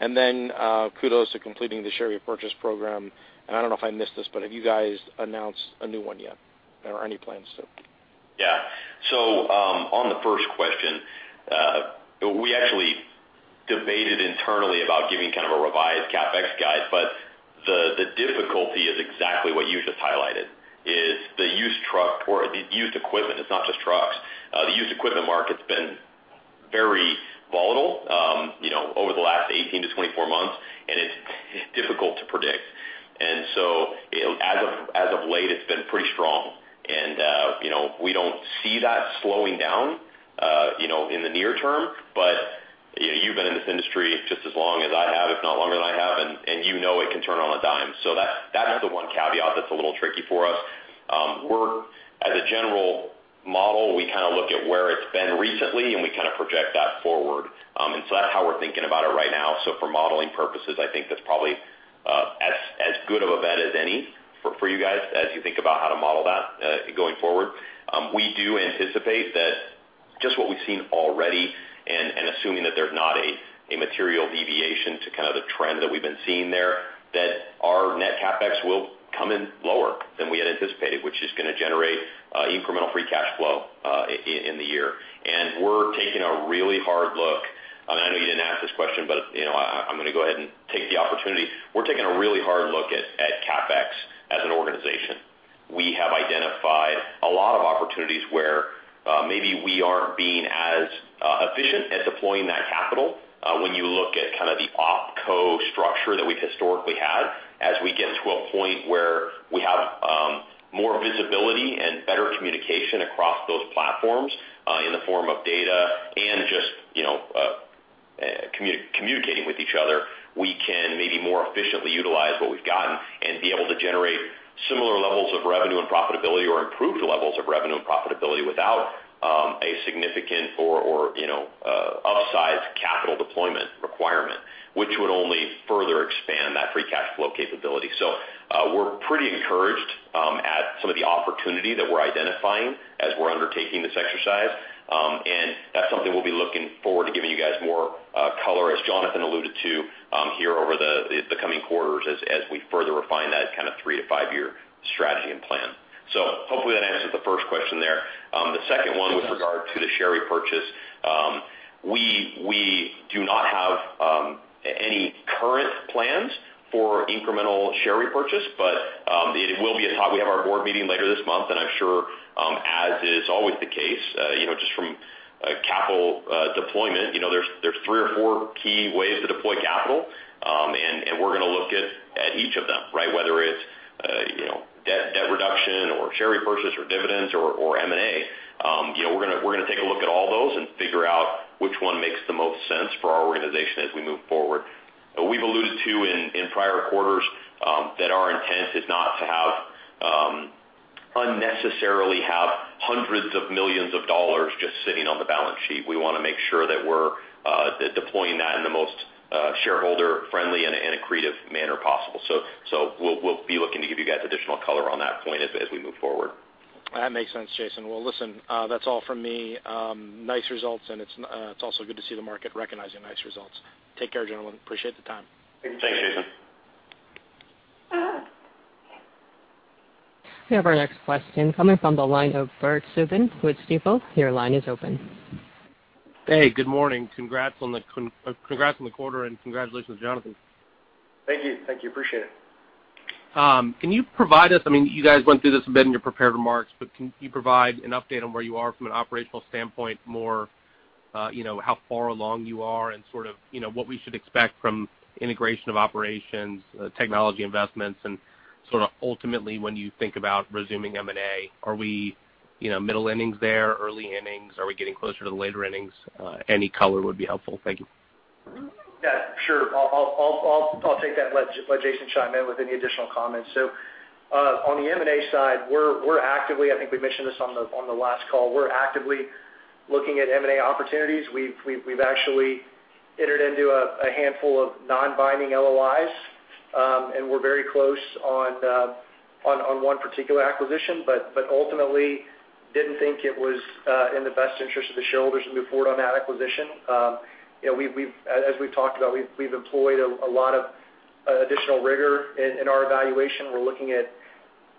Kudos to completing the share repurchase program. I don't know if I missed this, but have you guys announced a new one yet or any plans to? Yeah. On the first question, we actually debated internally about giving kind of a revised CapEx guide, but the difficulty is exactly what you just highlighted, is the used truck or the used equipment. It's not just trucks. The used equipment market's been very volatile over the last 18 to 24 months, and it's difficult to predict. As of late, it's been pretty strong. We don't see that slowing down in the near term. You've been in this industry just as long as I have, if not longer than I have, and you know it can turn on a dime. That's the one caveat that's a little tricky for us. As a general model, we kind of look at where it's been recently, and we kind of project that forward. That's how we're thinking about it right now. For modeling purposes, I think that's probably as good of a bet as any for you guys as you think about how to model that going forward. We do anticipate that just what we've seen already, and assuming that there's not a material deviation to kind of the trend that we've been seeing there, that our net CapEx will come in lower than we had anticipated, which is going to generate incremental free cash flow in the year. We're taking a really hard look. I know you didn't ask this question, but I'm going to go ahead and take the opportunity. We're taking a really hard look at CapEx as an organization. We have identified a lot of opportunities where maybe we aren't being as efficient at deploying that capital when you look at kind of the opco structure that we've historically had. As we get to a point where we have more visibility and better communication across those platforms in the form of data and just communicating with each other, we can maybe more efficiently utilize what we've gotten and be able to generate similar levels of revenue and profitability or improved levels of revenue and profitability without a significant or upsized capital deployment requirement, which would only further expand that free cash flow capability. We're pretty encouraged at some of the opportunity that we're identifying as we're undertaking this exercise. That's something we'll be looking forward to giving you guys more color, as Jonathan alluded to here over the coming quarters as we further refine that kind of three to five year strategy and plan. Hopefully that answers the first question there. The second one with regard to the share repurchase. We do not have any current plans for incremental share repurchase, but it will be a top. We have our board meeting later this month, I'm sure as is always the case, just from a capital deployment, there's three or four key ways to deploy capital. We're going to look at each of them, right, whether it's debt reduction or share repurchase or dividends or M&A. We're going to take a look at all those and figure out which one makes the most sense for our organization as we move forward. We've alluded to in prior quarters that our intent is not to unnecessarily have hundreds of millions of dollars just sitting on the balance sheet. We want to make sure that we're deploying that in the most shareholder-friendly and accretive manner possible. We'll be looking to give you guys additional color on that point as we move forward. That makes sense, Jason. Well, listen, that's all from me. Nice results, and it's also good to see the market recognizing nice results. Take care, gentlemen. Appreciate the time. Thanks, Jason. We have our next question coming from the line of Bert Subin with Stifel. Your line is open. Hey, good morning. Congrats on the quarter and congratulations, Jonathan. Thank you. Appreciate it. Can you provide us, you guys went through this a bit in your prepared remarks, but can you provide an update on where you are from an operational standpoint more, how far along you are and what we should expect from integration of operations, technology investments, and sort of ultimately, when you think about resuming M&A, are we middle innings there, early innings? Are we getting closer to the later innings? Any color would be helpful. Thank you. Yeah, sure. I'll take that and let Jason chime in with any additional comments. On the M&A side, we're actively, I think we mentioned this on the last call, we're actively looking at M&A opportunities. We've actually entered into a handful of non-binding LOIs. We're very close on one particular acquisition, ultimately didn't think it was in the best interest of the shareholders to move forward on that acquisition. As we've talked about, we've employed a lot of additional rigor in our evaluation. We're looking at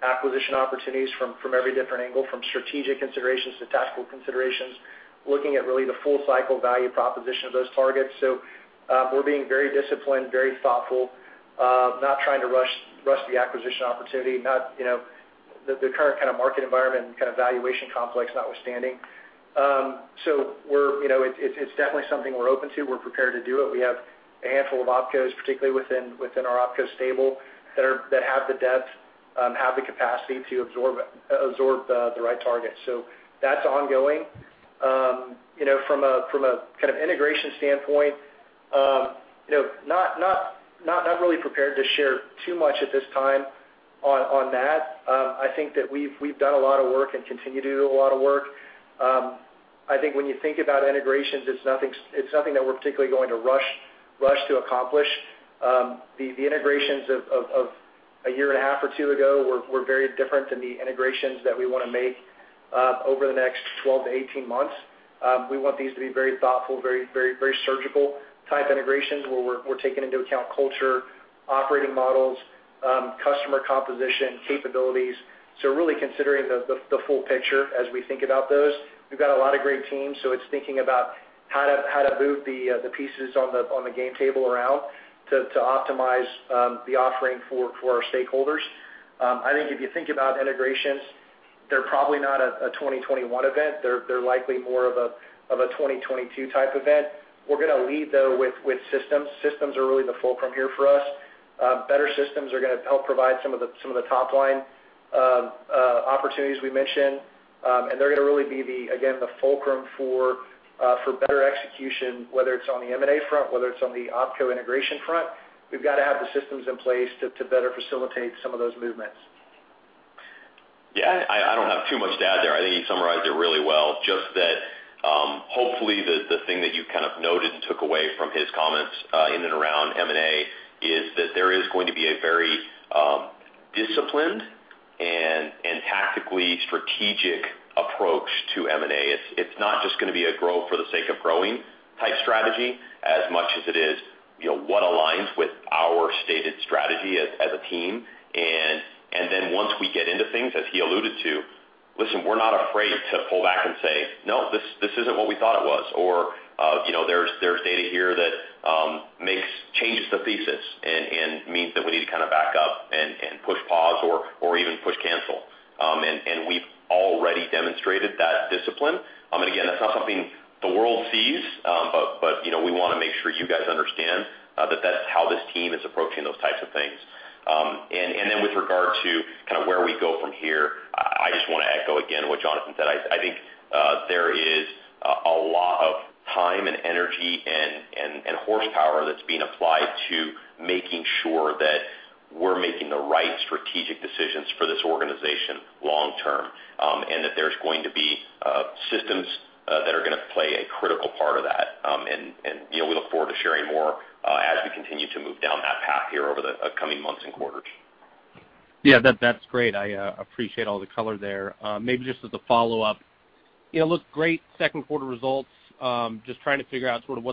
acquisition opportunities from every different angle, from strategic considerations to tactical considerations, looking at really the full cycle value proposition of those targets. We're being very disciplined, very thoughtful, not trying to rush the acquisition opportunity, the current kind of market environment and kind of valuation complex notwithstanding. It's definitely something we're open to. We're prepared to do it. We have a handful of opcos, particularly within our opco stable that have the depth, have the capacity to absorb the right target. That's ongoing. From a kind of integration standpoint, not really prepared to share too much at this time on that. I think that we've done a lot of work and continue to do a lot of work. I think when you think about integrations, it's nothing that we're particularly going to rush to accomplish. The integrations of a year and a half or two ago were very different than the integrations that we want to make over the next 12-18 months. We want these to be very thoughtful, very surgical type integrations, where we're taking into account culture, operating models, customer composition, capabilities. Really considering the full picture as we think about those. We've got a lot of great teams, so it's thinking about how to move the pieces on the game table around to optimize the offering for our stakeholders. I think if you think about integrations, they're probably not a 2021 event. They're likely more of a 2022 type event. We're going to lead, though, with systems. Systems are really the fulcrum here for us. Better systems are going to help provide some of the top-line opportunities we mentioned. They're going to really be the, again, the fulcrum for better execution, whether it's on the M&A front, whether it's on the opco integration front. We've got to have the systems in place to better facilitate some of those movements. Yeah, I don't have too much to add there. I think you summarized it really well. Just that, hopefully the thing that you kind of noted and took away from his comments in and around M&A is that there is going to be a very disciplined and tactically strategic approach to M&A. It's not just going to be a grow for the sake of growing type strategy as much as it is what aligns with our stated strategy as a team. Once we get into things, as he alluded to, listen, we're not afraid to pull back and say, "No, this isn't what we thought it was." There's data here that changes the thesis and means that we need to kind of back up and push pause or even push cancel. We've already demonstrated that discipline. That's not something the world sees. We want to make sure you guys understand that that's how this team is approaching those types of things. Then with regard to kind of where we go from here, I just want to echo again what Jonathan said. I think there is a lot of time and energy and horsepower that's being applied to making sure that we're making the right strategic decisions for this organization long term. That there's going to be systems that are going to play a critical part of that. We look forward to sharing more as we continue to move down that path here over the coming months and quarters. That's great. I appreciate all the color there. Just as a follow-up. Looked great second quarter results. Just trying to figure out sort of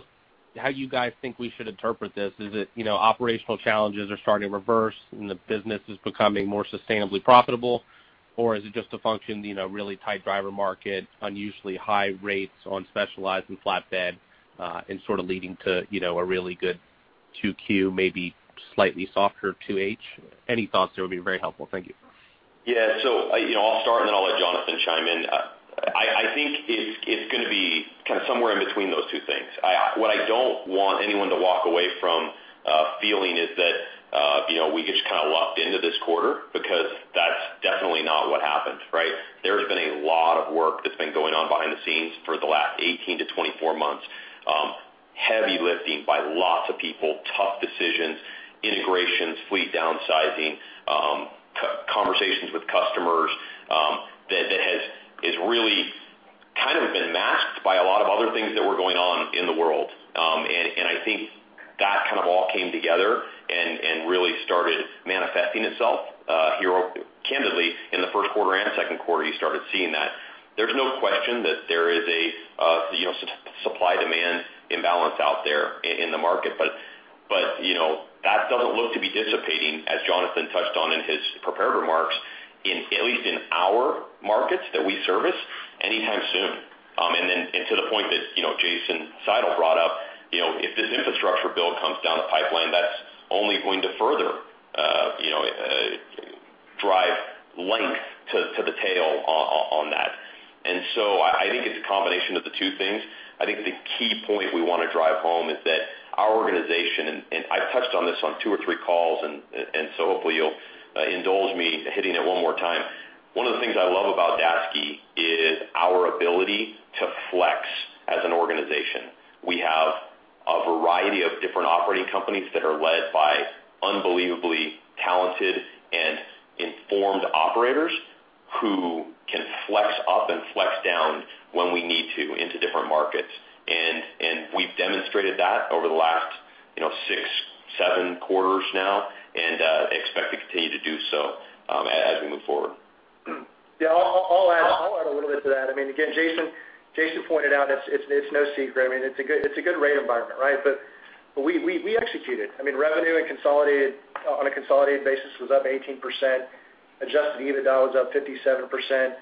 how you guys think we should interpret this. Is it operational challenges are starting to reverse and the business is becoming more sustainably profitable, or is it just a function, really tight driver market, unusually high rates on specialized and flatbed, and sort of leading to a really good 2Q, maybe slightly softer 2H? Any thoughts there would be very helpful. Thank you. I'll start and then I'll let Jonathan chime in. I think it's going to be kind of somewhere in between those two things. What I don't want anyone to walk away from feeling is that we just kind of lucked into this quarter because that's definitely not what happened, right? There has been a lot of work that's been going on behind the scenes for the last 18-24 months. Heavy lifting by lots of people, tough decisions, integrations, fleet downsizing, conversations with customers, that has really kind of been masked by a lot of other things that were going on in the world. I think that kind of all came together and really started manifesting itself here, candidly, in the first quarter and second quarter, you started seeing that. There's no question that there is a supply-imbalance out there in the market. That doesn't look to be dissipating, as Jonathan touched on in his prepared remarks, at least in our markets that we service, anytime soon. Then to the point that Jason Seidl brought up, if this infrastructure bill comes down the pipeline, that's only going to further drive length to the tail on that. So I think it's a combination of the two things. I think the key point we want to drive home is that our organization, and I've touched on this on two or three calls, so hopefully you'll indulge me hitting it one more time. One of the things I love about Daseke is our ability to flex as an organization. We have a variety of different operating companies that are led by unbelievably talented and informed operators who can flex up and flex down when we need to into different markets. We've demonstrated that over the last six, seven quarters now and expect to continue to do so as we move forward. Yeah. I'll add a little bit to that. Jason pointed out it's no secret. It's a good rate environment, right? We executed. Revenue on a consolidated basis was up 18%. adjusted EBITDA was up 57%.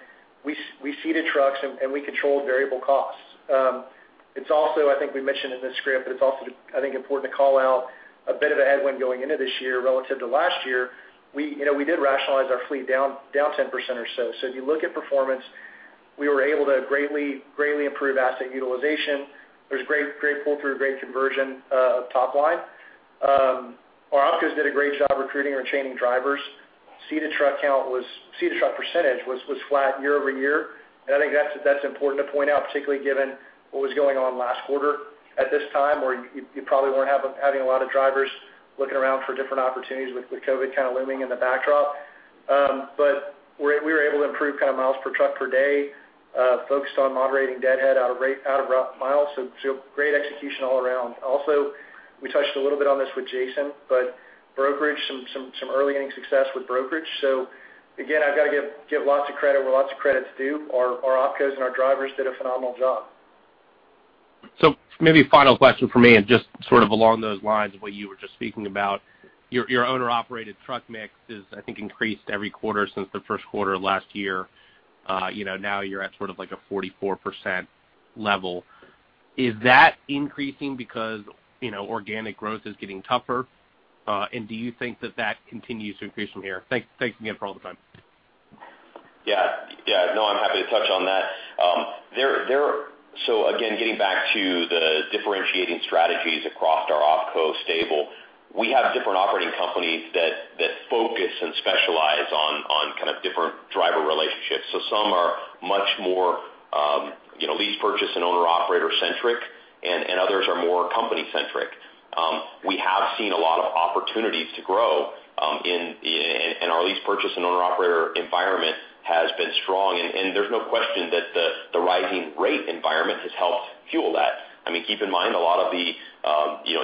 We seated trucks and we controlled variable costs. I think we mentioned in the script, it's also, I think important to call out a bit of a headwind going into this year relative to last year. We did rationalize our fleet down 10% or so. If you look at performance, we were able to greatly improve asset utilization. There's great pull-through, great conversion of top line. Our opcos did a great job recruiting and retaining drivers. Seated truck percentage was flat year-over-year. I think that's important to point out, particularly given what was going on last quarter at this time, where you probably weren't having a lot of drivers looking around for different opportunities with COVID kind of looming in the backdrop. We were able to improve miles per truck per day, focused on moderating deadhead out of route miles. Great execution all around. Also, we touched a little bit on this with Jason, some early inning success with brokerage. Again, I've got to give lots of credit where lots of credit's due. Our opcos and our drivers did a phenomenal job. Maybe a final question from me, and just sort of along those lines of what you were just speaking about. Your owner operated truck mix has, I think, increased every quarter since the first quarter of last year. Now you're at sort of like a 44% level. Is that increasing because organic growth is getting tougher? Do you think that that continues to increase from here? Thanks again for all the time. Yeah. No, I'm happy to touch on that. Again, getting back to the differentiating strategies across our opco stable. We have different operating companies that focus and specialize on kind of different driver relationships. Some are much more lease purchase and owner operator centric, and others are more company centric. We have seen a lot of opportunities to grow, and our lease purchase and owner operator environment has been strong, and there's no question that the rising rate environment has helped fuel that. Keep in mind, a lot of the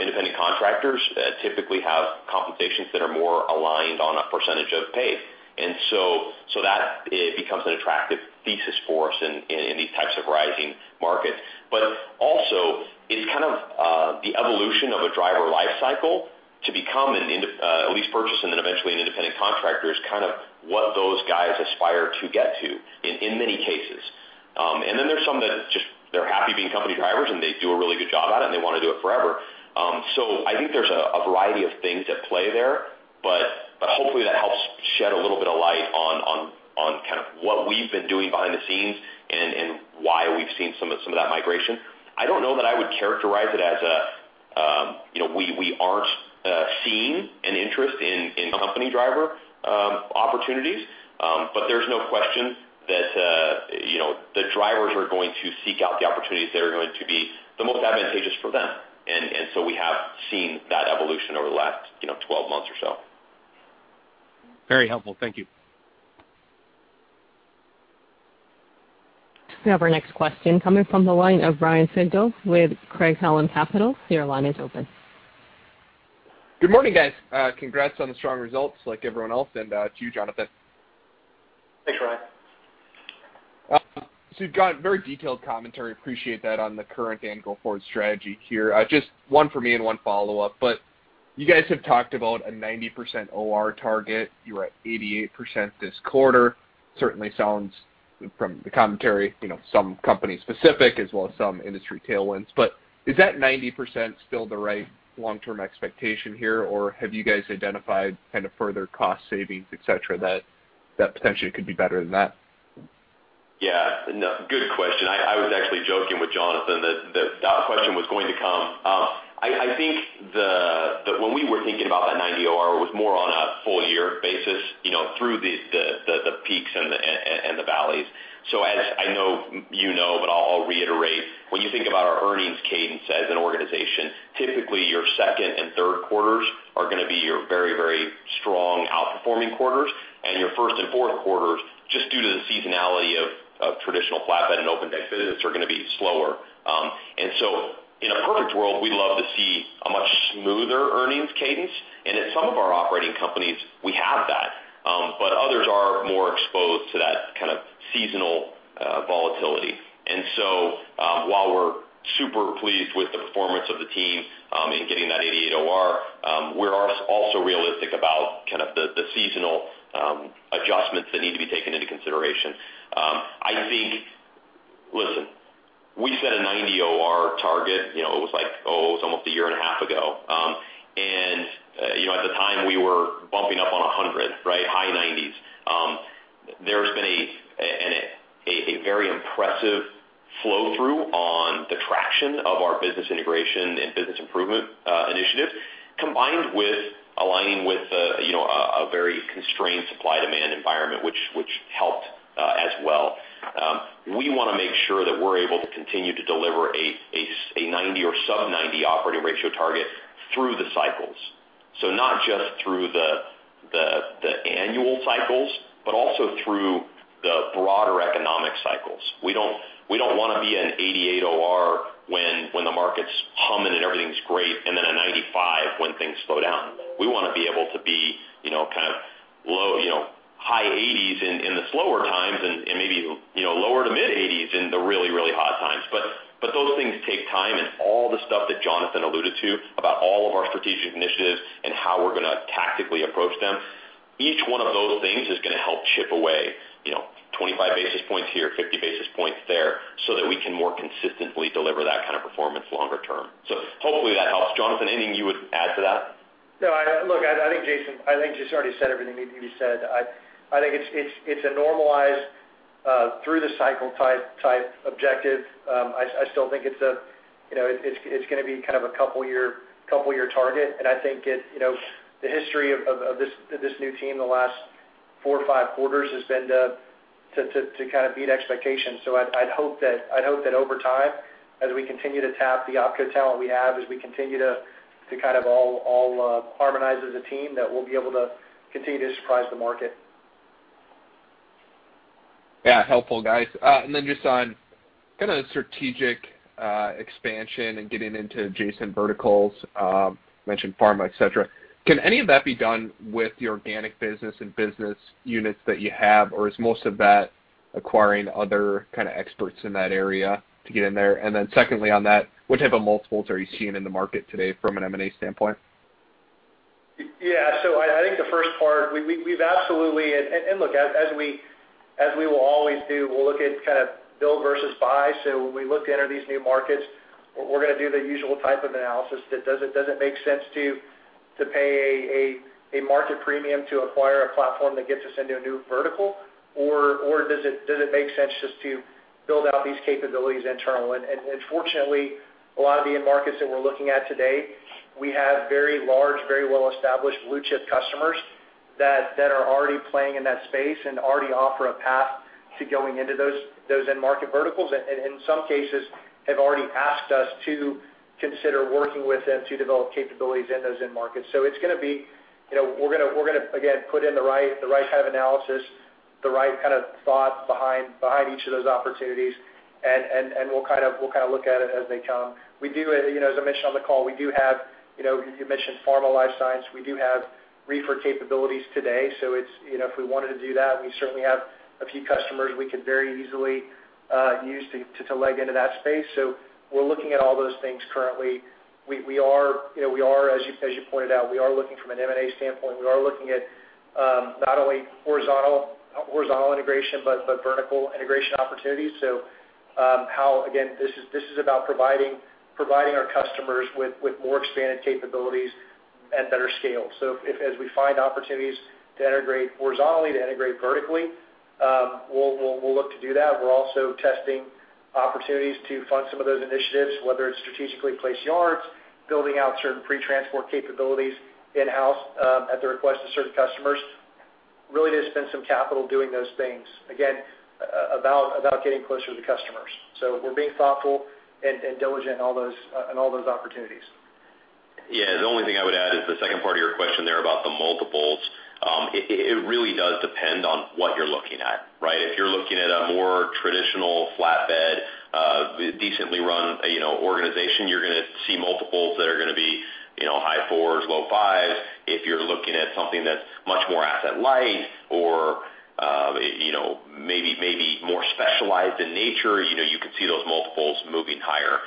independent contractors typically have compensations that are more aligned on a percentage of pay. That becomes an attractive thesis for us in these types of rising markets. Also, it's kind of the evolution of a driver life cycle to become a lease purchase and then eventually an independent contractor is kind of what those guys aspire to get to, in many cases. Then there's some that just, they're happy being company drivers, and they do a really good job at it, and they want to do it forever. I think there's a variety of things at play there, but hopefully that helps shed a little bit of light on kind of what we've been doing behind the scenes and why we've seen some of that migration. I don't know that I would characterize it as we aren't seeing an interest in company driver opportunities. There's no question that the drivers are going to seek out the opportunities that are going to be the most advantageous for them. We have seen that evolution over the last 12 months or so. Very helpful. Thank you. We have our next question coming from the line of Ryan Sigdahl with Craig-Hallum Capital. Your line is open. Good morning, guys. Congrats on the strong results, like everyone else, and to you, Jonathan. Thanks, Ryan. You've got very detailed commentary. Appreciate that on the current and go-forward strategy here. Just one for me and one follow-up. You guys have talked about a 90% OR target. You were at 88% this quarter. Certainly sounds from the commentary, some company specific as well as some industry tailwinds. Is that 90% still the right long-term expectation here, or have you guys identified kind of further cost savings, et cetera, that potentially could be better than that? Yeah. No. Good question. I was actually joking with Jonathan that that question was going to come. I think that when we were thinking about that 90% OR, it was more on a full year basis through the peaks and the valleys. As I know you know, but I'll reiterate. When you think about our earnings cadence as an organization, typically your second and third quarters are going to be your very strong outperforming quarters, and your first and fourth quarters, just due to the seasonality of traditional flatbed and Open Deck business, are going to be slower. In a perfect world, we'd love to see a much smoother earnings cadence. At some of our operating companies, we have that. Others are more exposed to that kind of seasonal-volatility. While we're super pleased with the performance of the team in getting that 88% OR, we are also realistic about the seasonal adjustments that need to be taken into consideration. Listen, we set a 90% OR target, it was almost a year and a half ago. At the time, we were bumping up on 100%, right? High 90s. There's been a very impressive flow-through on the traction of our business integration and business improvement initiatives, combined with aligning with a very constrained supply-demand environment, which helped as well. We want to make sure that we're able to continue to deliver a 90% or sub 90% operating ratio target through the cycles. Not just through the annual cycles, but also through the broader economic cycles. We don't want to be an 88% OR when the market's humming and everything's great, and then a 95% when things slow down. We want to be able to be high 80s in the slower times and maybe lower to mid 80s in the really, really hot times. Those things take time, and all the stuff that Jonathan alluded to about all of our strategic initiatives and how we're going to tactically approach them, each one of those things is going to help chip away 25 basis points here, 50 basis points there, so that we can more consistently deliver that kind of performance longer term. Hopefully that helps. Jonathan, anything you would add to that? No. Look, I think Jason's already said everything that needed to be said. I think it's a normalized through-the-cycle type objective. I still think it's going to be a couple of year target. I think the history of this new team the last four or five quarters has been to beat expectations. I'd hope that over time, as we continue to tap the opco talent we have, as we continue to all harmonize as a team, that we'll be able to continue to surprise the market. Yeah. Helpful, guys. Just on strategic expansion and getting into adjacent verticals, mentioned pharma, et cetera. Can any of that be done with the organic business and business units that you have, or is most of that acquiring other kind of experts in that area to get in there? Secondly on that, what type of multiples are you seeing in the market today from an M&A standpoint? Yeah. I think the first part, we've absolutely, Look, as we will always do, we'll look at build versus buy. When we look to enter these new markets, we're going to do the usual type of analysis. Does it make sense to pay a market premium to acquire a platform that gets us into a new vertical, or does it make sense just to build out these capabilities internal? Fortunately, a lot of the end markets that we're looking at today, we have very large, very well-established blue-chip customers that are already playing in that space and already offer a path to going into those end market verticals. In some cases, have already asked us to consider working with them to develop capabilities in those end markets. We're going to, again, put in the right kind of analysis, the right kind of thought behind each of those opportunities, and we'll look at it as they come. As I mentioned on the call, you mentioned pharma, life science. We do have reefer capabilities today. If we wanted to do that, we certainly have a few customers we could very easily use to leg into that space. We're looking at all those things currently. As you pointed out, we are looking from an M&A standpoint, and we are looking at not only horizontal integration, but vertical integration opportunities. Again, this is about providing our customers with more expanded capabilities at better scale. As we find opportunities to integrate horizontally, to integrate vertically, we'll look to do that. We're also testing opportunities to fund some of those initiatives, whether it's strategically placed yards, building out certain pre-transport capabilities in-house at the request of certain customers. Really to spend some capital doing those things. Again, about getting closer to customers. We're being thoughtful and diligent in all those opportunities. Yeah. The only thing I would add is the second part of your question there about the multiples. It really does depend on what you're looking at, right? If you're looking at a more traditional flatbed, decently run organization, you're going to see multiples that are going to be high fours, low fives. If you're looking at something that's much more asset light or maybe more specialized in nature, you can see those multiples moving higher.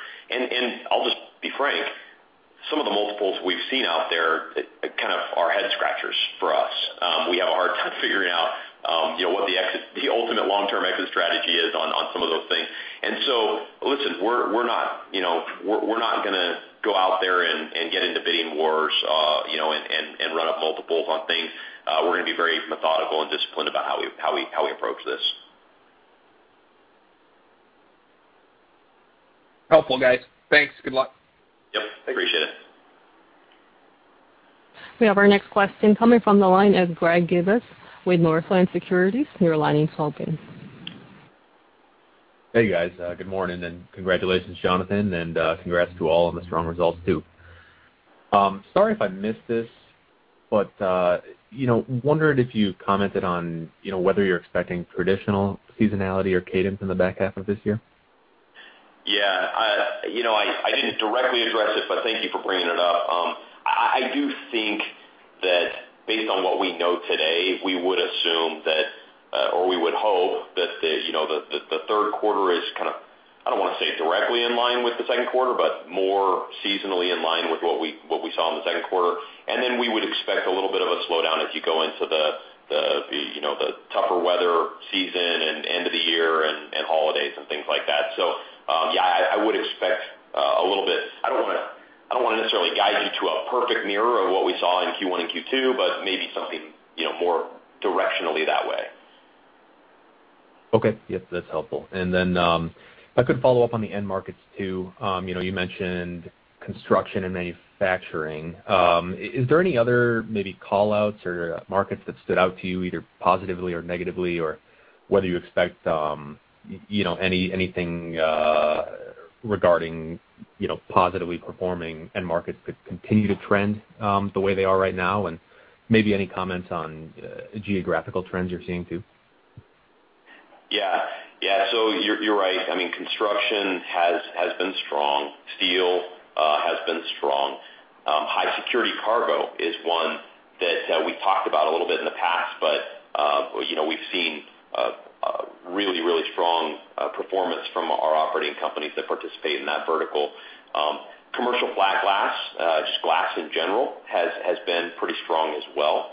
I'll just be frank, some of the multiples we've seen out there kind of are head scratchers for us. We have a hard time figuring out what the ultimate long-term exit strategy is on some of those things. Listen, we're not going to go out there and get into bidding wars and run up multiples on things. We're going to be very methodical and disciplined about how we approach this. Helpful, guys. Thanks. Good luck. Yep. Appreciate it. We have our next question coming from the line as Greg Gibas with Northland Securities. Your line is open. Hey, guys. Good morning, and congratulations, Jonathan, and congrats to all on the strong results, too. Sorry if I missed this, but wondering if you commented on whether you're expecting traditional seasonality or cadence in the back half of this year? Yeah. I didn't directly address it, but thank you for bringing it up. I do think that based on what we know today, we would assume that, or we would hope that the third quarter is kind of, I don't want to say directly in line with the second quarter, but more seasonally in line with what we saw in the second quarter. Then we would expect a little bit of a slowdown as you go into the tougher weather season and end of the year and holidays and things like that. Yeah, I would expect a little bit. I don't want to necessarily guide you to a perfect mirror of what we saw in Q1 and Q2, but maybe something more directionally that way. Okay. Yep, that's helpful. If I could follow up on the end markets too. You mentioned construction and manufacturing. Is there any other maybe call-outs or markets that stood out to you, either positively or negatively, or whether you expect anything regarding positively performing end markets could continue to trend the way they are right now, and maybe any comments on geographical trends you're seeing too? Yeah. You're right. Construction has been strong. Steel has been strong. High security cargo is one that we talked about a little bit in the past, but we've seen really strong performance from our operating companies that participate in that vertical. Commercial flat glass, just glass in general, has been pretty strong as well.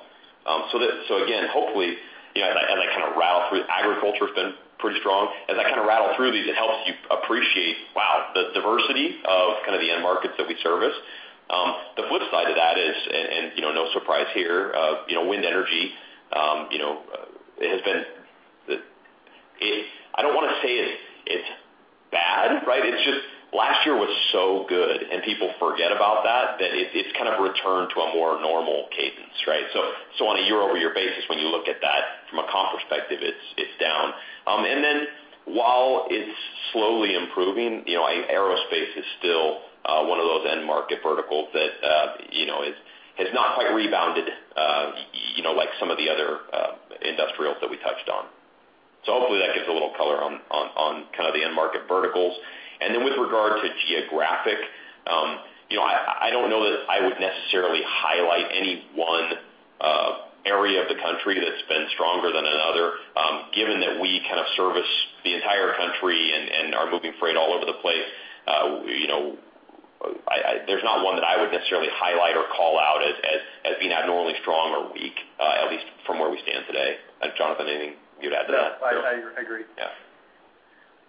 Again, hopefully, as I rattle through, agriculture's been pretty strong. As I kind of rattle through these, it helps you appreciate, wow, the diversity of the end markets that we service. The flip side of that is, and no surprise here, wind energy has been I don't want to say it's bad, right? It's just last year was so good, and people forget about that it's kind of returned to a more normal cadence, right? On a year-over-year basis, when you look at that from a comp perspective, it's down. While it's slowly improving, aerospace is still one of those end market verticals that has not quite rebounded like some of the other industrials that we touched on. Hopefully that gives a little color on the end market verticals. With regard to geographic, I don't know that I would necessarily highlight any one area of the country that's been stronger than another. Given that we kind of service the entire country and are moving freight all over the place, there's not one that I would necessarily highlight or call out as being abnormally strong or weak, at least from where we stand today. Jonathan, anything you'd add to that? No, I agree. Yeah.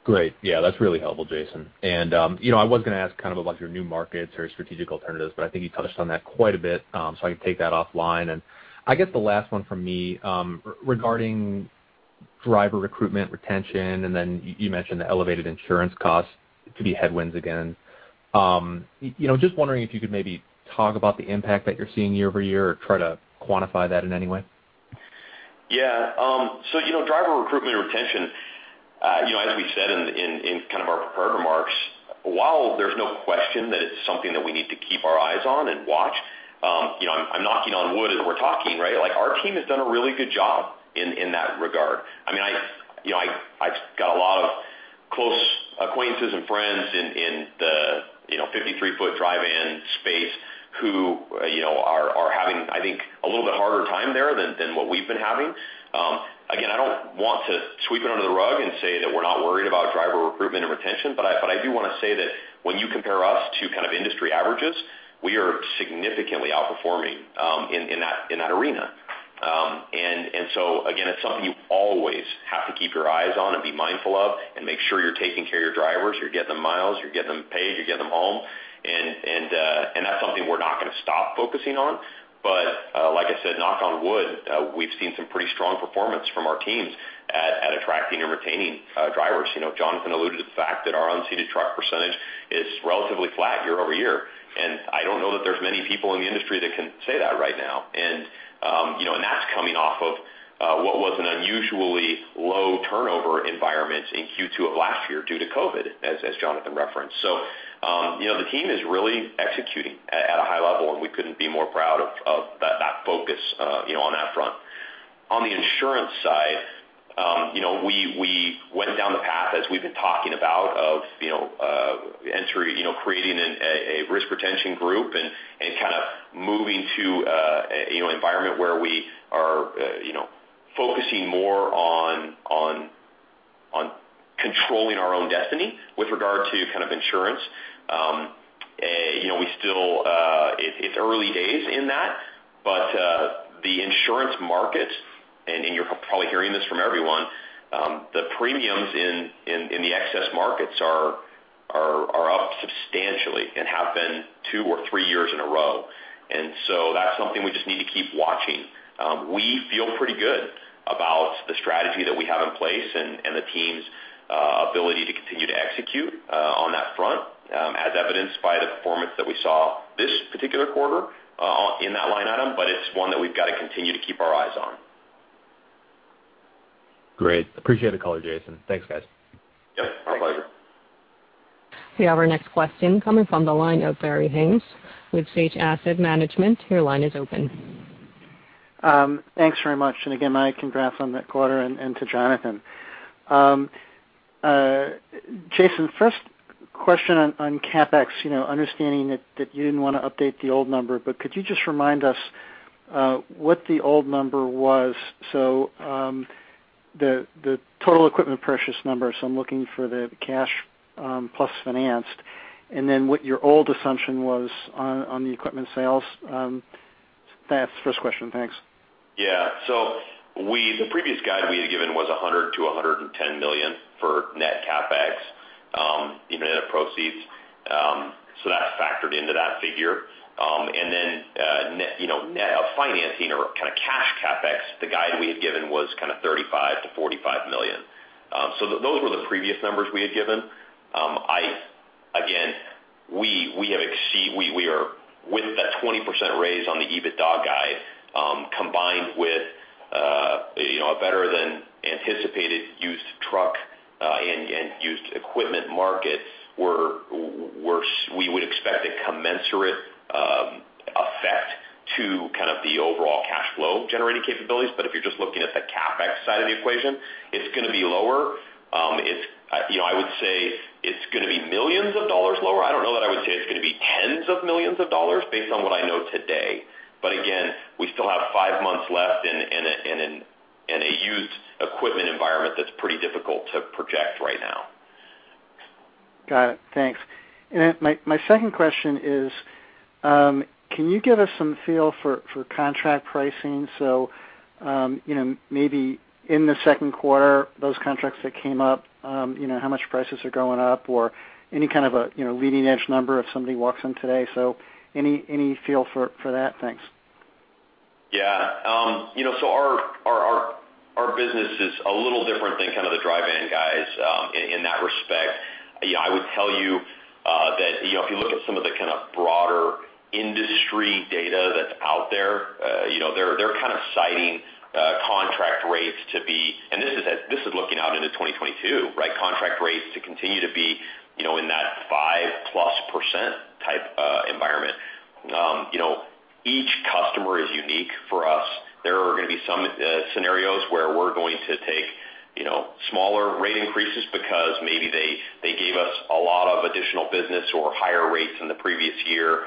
Great. Yeah, that's really helpful, Jason. I was going to ask about your new markets or strategic alternatives, but I think you touched on that quite a bit, so I can take that offline. I guess the last one from me, regarding driver recruitment, retention, and then you mentioned the elevated insurance costs to be headwinds again. Just wondering if you could maybe talk about the impact that you're seeing year-over-year or try to quantify that in any way. Driver recruitment and retention, as we said in our prepared remarks, while there's no question that it's something that we need to keep our eyes on and watch, I'm knocking on wood as we're talking, right? Our team has done a really good job in that regard. I've got a lot of close acquaintances and friends in the 53-foot dry van space who are having, I think, a little bit harder time there than what we've been having. Again, I don't want to sweep it under the rug and say that we're not worried about driver recruitment and retention, but I do want to say that when you compare us to industry averages, we are significantly outperforming in that arena. Again, it's something you always have to keep your eyes on and be mindful of and make sure you're taking care of your drivers. You're getting them miles, you're getting them paid, you're getting them home, and that's something we're not going to stop focusing on. Like I said, knock on wood, we've seen some pretty strong performance from our teams at attracting and retaining drivers. Jonathan alluded to the fact that our unseated truck percentage is relatively flat year-over-year, and I don't know that there's many people in the industry that can say that right now. That's coming off of what was an unusually low turnover environment in Q2 of last year due to COVID, as Jonathan referenced. The team is really executing at a high level, and we couldn't be more proud of that focus on that front. On the insurance side, we went down the path as we've been talking about of creating a risk retention group and kind of moving to an environment where we are focusing more on controlling our own destiny with regard to insurance. It's early days in that, but the insurance markets, and you're probably hearing this from everyone, the premiums in the excess markets are up substantially and have been two or three years in a row. That's something we just need to keep watching. We feel pretty good about the strategy that we have in place and the team's ability to continue to execute on that front, as evidenced by the performance that we saw this particular quarter in that line item, but it's one that we've got to continue to keep our eyes on. Great. Appreciate the color, Jason. Thanks, guys. Yep. Our pleasure. We have our next question coming from the line of Barry Haimes with Sage Asset Management. Your line is open. Thanks very much, and again, my congrats on that quarter and to Jonathan. Jason, first question on CapEx, understanding that you didn't want to update the old number, but could you just remind us what the old number was? The total equipment purchase number, so I'm looking for the cash plus financed, and then what your old assumption was on the equipment sales. That's the first question. Thanks. The previous guide we had given was $100 million-$110 million for net CapEx, even net proceeds. That's factored into that figure. Then net financing or cash CapEx, the guide we had given was $35 million-$45 million. Those were the previous numbers we had given. Again, with that 20% raise on the EBITDA guide, combined with a better than anticipated used truck and used equipment market, we would expect a commensurate effect to the overall cash flow generating capabilities. If you're just looking at the CapEx side of the equation, it's going to be lower. I would say it's going to be millions of dollars lower. I don't know that I would say it's going to be tens of millions of dollars based on what I know today. Again, we still have five months left in a used equipment environment that's pretty difficult to project right now. Got it. Thanks. My second question is, can you give us some feel for contract pricing? Maybe in the second quarter, those contracts that came up, how much prices are going up or any kind of a leading-edge number if somebody walks in today. Any feel for that? Thanks. Yeah. Our business is a little different than kind of the dry van guys in that respect. I would tell you that if you look at some of the kind of broader industry data that's out there, they're kind of citing contract rates to be, and this is looking out into 2022, right, contract rates to continue to be in that 5%+ type environment. Each customer is unique for us. There are going to be some scenarios where we're going to take smaller rate increases because maybe they gave us a lot of additional business or higher rates in the previous year.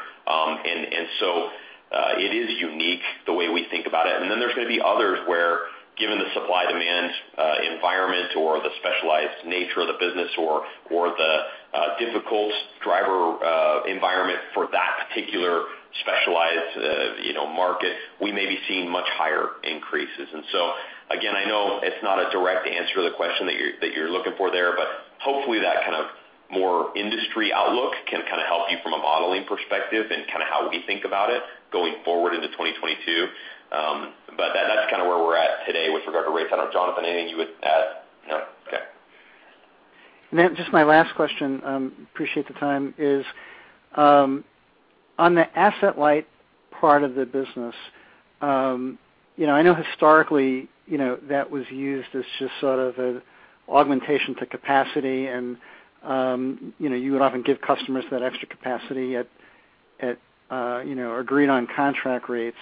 It is unique the way we think about it. Then there's going to be others where, given the supply-demand environment or the specialized nature of the business or the difficult driver environment for that particular specialized market, we may be seeing much higher increases. Again, I know it's not a direct answer to the question that you're looking for there, but hopefully that kind of more industry outlook can kind of help you from a modeling perspective and kind of how we think about it going forward into 2022. That's kind of where we're at today with regard to rates. I don't know, Jonathan, anything you would add? No? Okay. Just my last question, appreciate the time, is on the asset-light part of the business. I know historically that was used as just sort of an augmentation to capacity and you would often give customers that extra capacity at agreed on contract rates.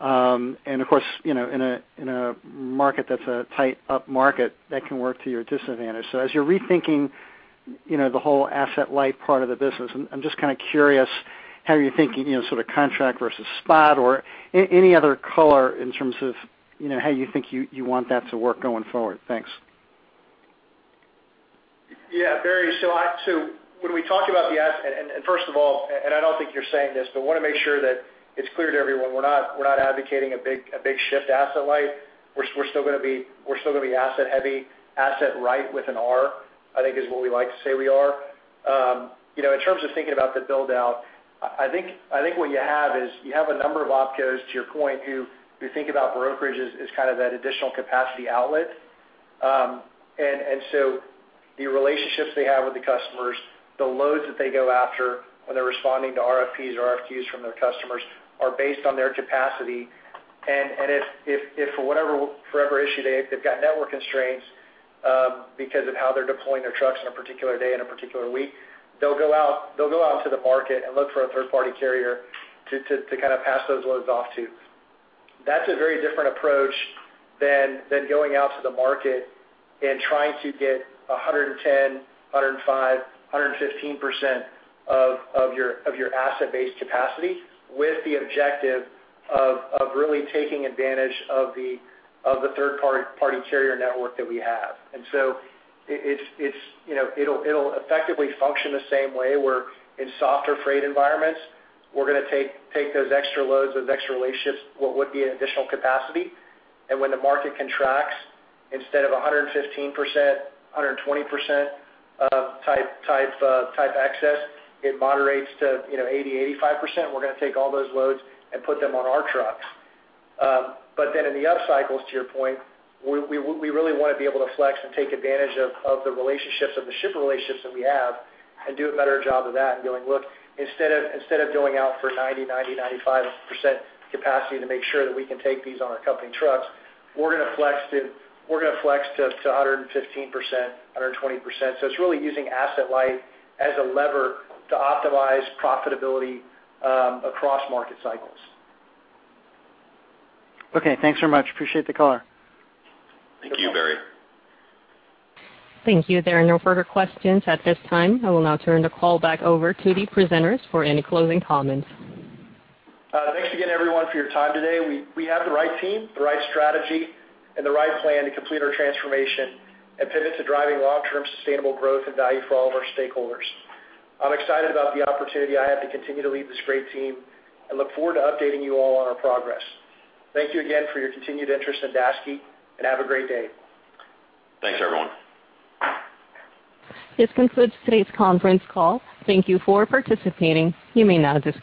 Of course, in a market that's a tight up market, that can work to your disadvantage. As you're rethinking the whole asset-light part of the business, I'm just kind of curious how you're thinking sort of contract versus spot or any other color in terms of how you think you want that to work going forward. Thanks. Barry, when we talk about the asset, first of all, I don't think you're saying this, want to make sure that it's clear to everyone, we're not advocating a big shift to asset-light. We're still going to be asset heavy. Asset right with an R, I think is what we like to say we are. In terms of thinking about the build-out, I think what you have is you have a number of opcos, to your point, who think about brokerage as kind of that additional capacity outlet. The relationships they have with the customers, the loads that they go after when they're responding to RFPs or RFQs from their customers are based on their capacity. If for whatever issue, they've got network constraints because of how they're deploying their trucks on a particular day in a particular week, they'll go out to the market and look for a third-party carrier to kind of pass those loads off to. That's a very different approach than going out to the market and trying to get 110%, 105%, 115% of your asset-based capacity with the objective of really taking advantage of the third-party carrier network that we have. It'll effectively function the same way where in softer freight environments, we're going to take those extra loads, those extra relationships, what would be an additional capacity. When the market contracts, instead of 115%, 120% of type access, it moderates to 80%, 85%. We're going to take all those loads and put them on our trucks. In the up cycles, to your point, we really want to be able to flex and take advantage of the relationships, of the shipper relationships that we have and do a better job of that and going, look, instead of going out for 90%, 95% capacity to make sure that we can take these on our company trucks, we're going to flex to 115%, 120%. It's really using asset-light as a lever to optimize profitability across market cycles. Okay, thanks very much. Appreciate the call. Thank you, Barry. Thank you. There are no further questions at this time. I will now turn the call back over to the presenters for any closing comments. Thanks again, everyone, for your time today. We have the right team, the right strategy, and the right plan to complete our transformation and pivot to driving long-term sustainable growth and value for all of our stakeholders. I'm excited about the opportunity I have to continue to lead this great team and look forward to updating you all on our progress. Thank you again for your continued interest in Daseke, and have a great day. Thanks, everyone. This concludes today's conference call. Thank Thank you for participating. You may now disconnect.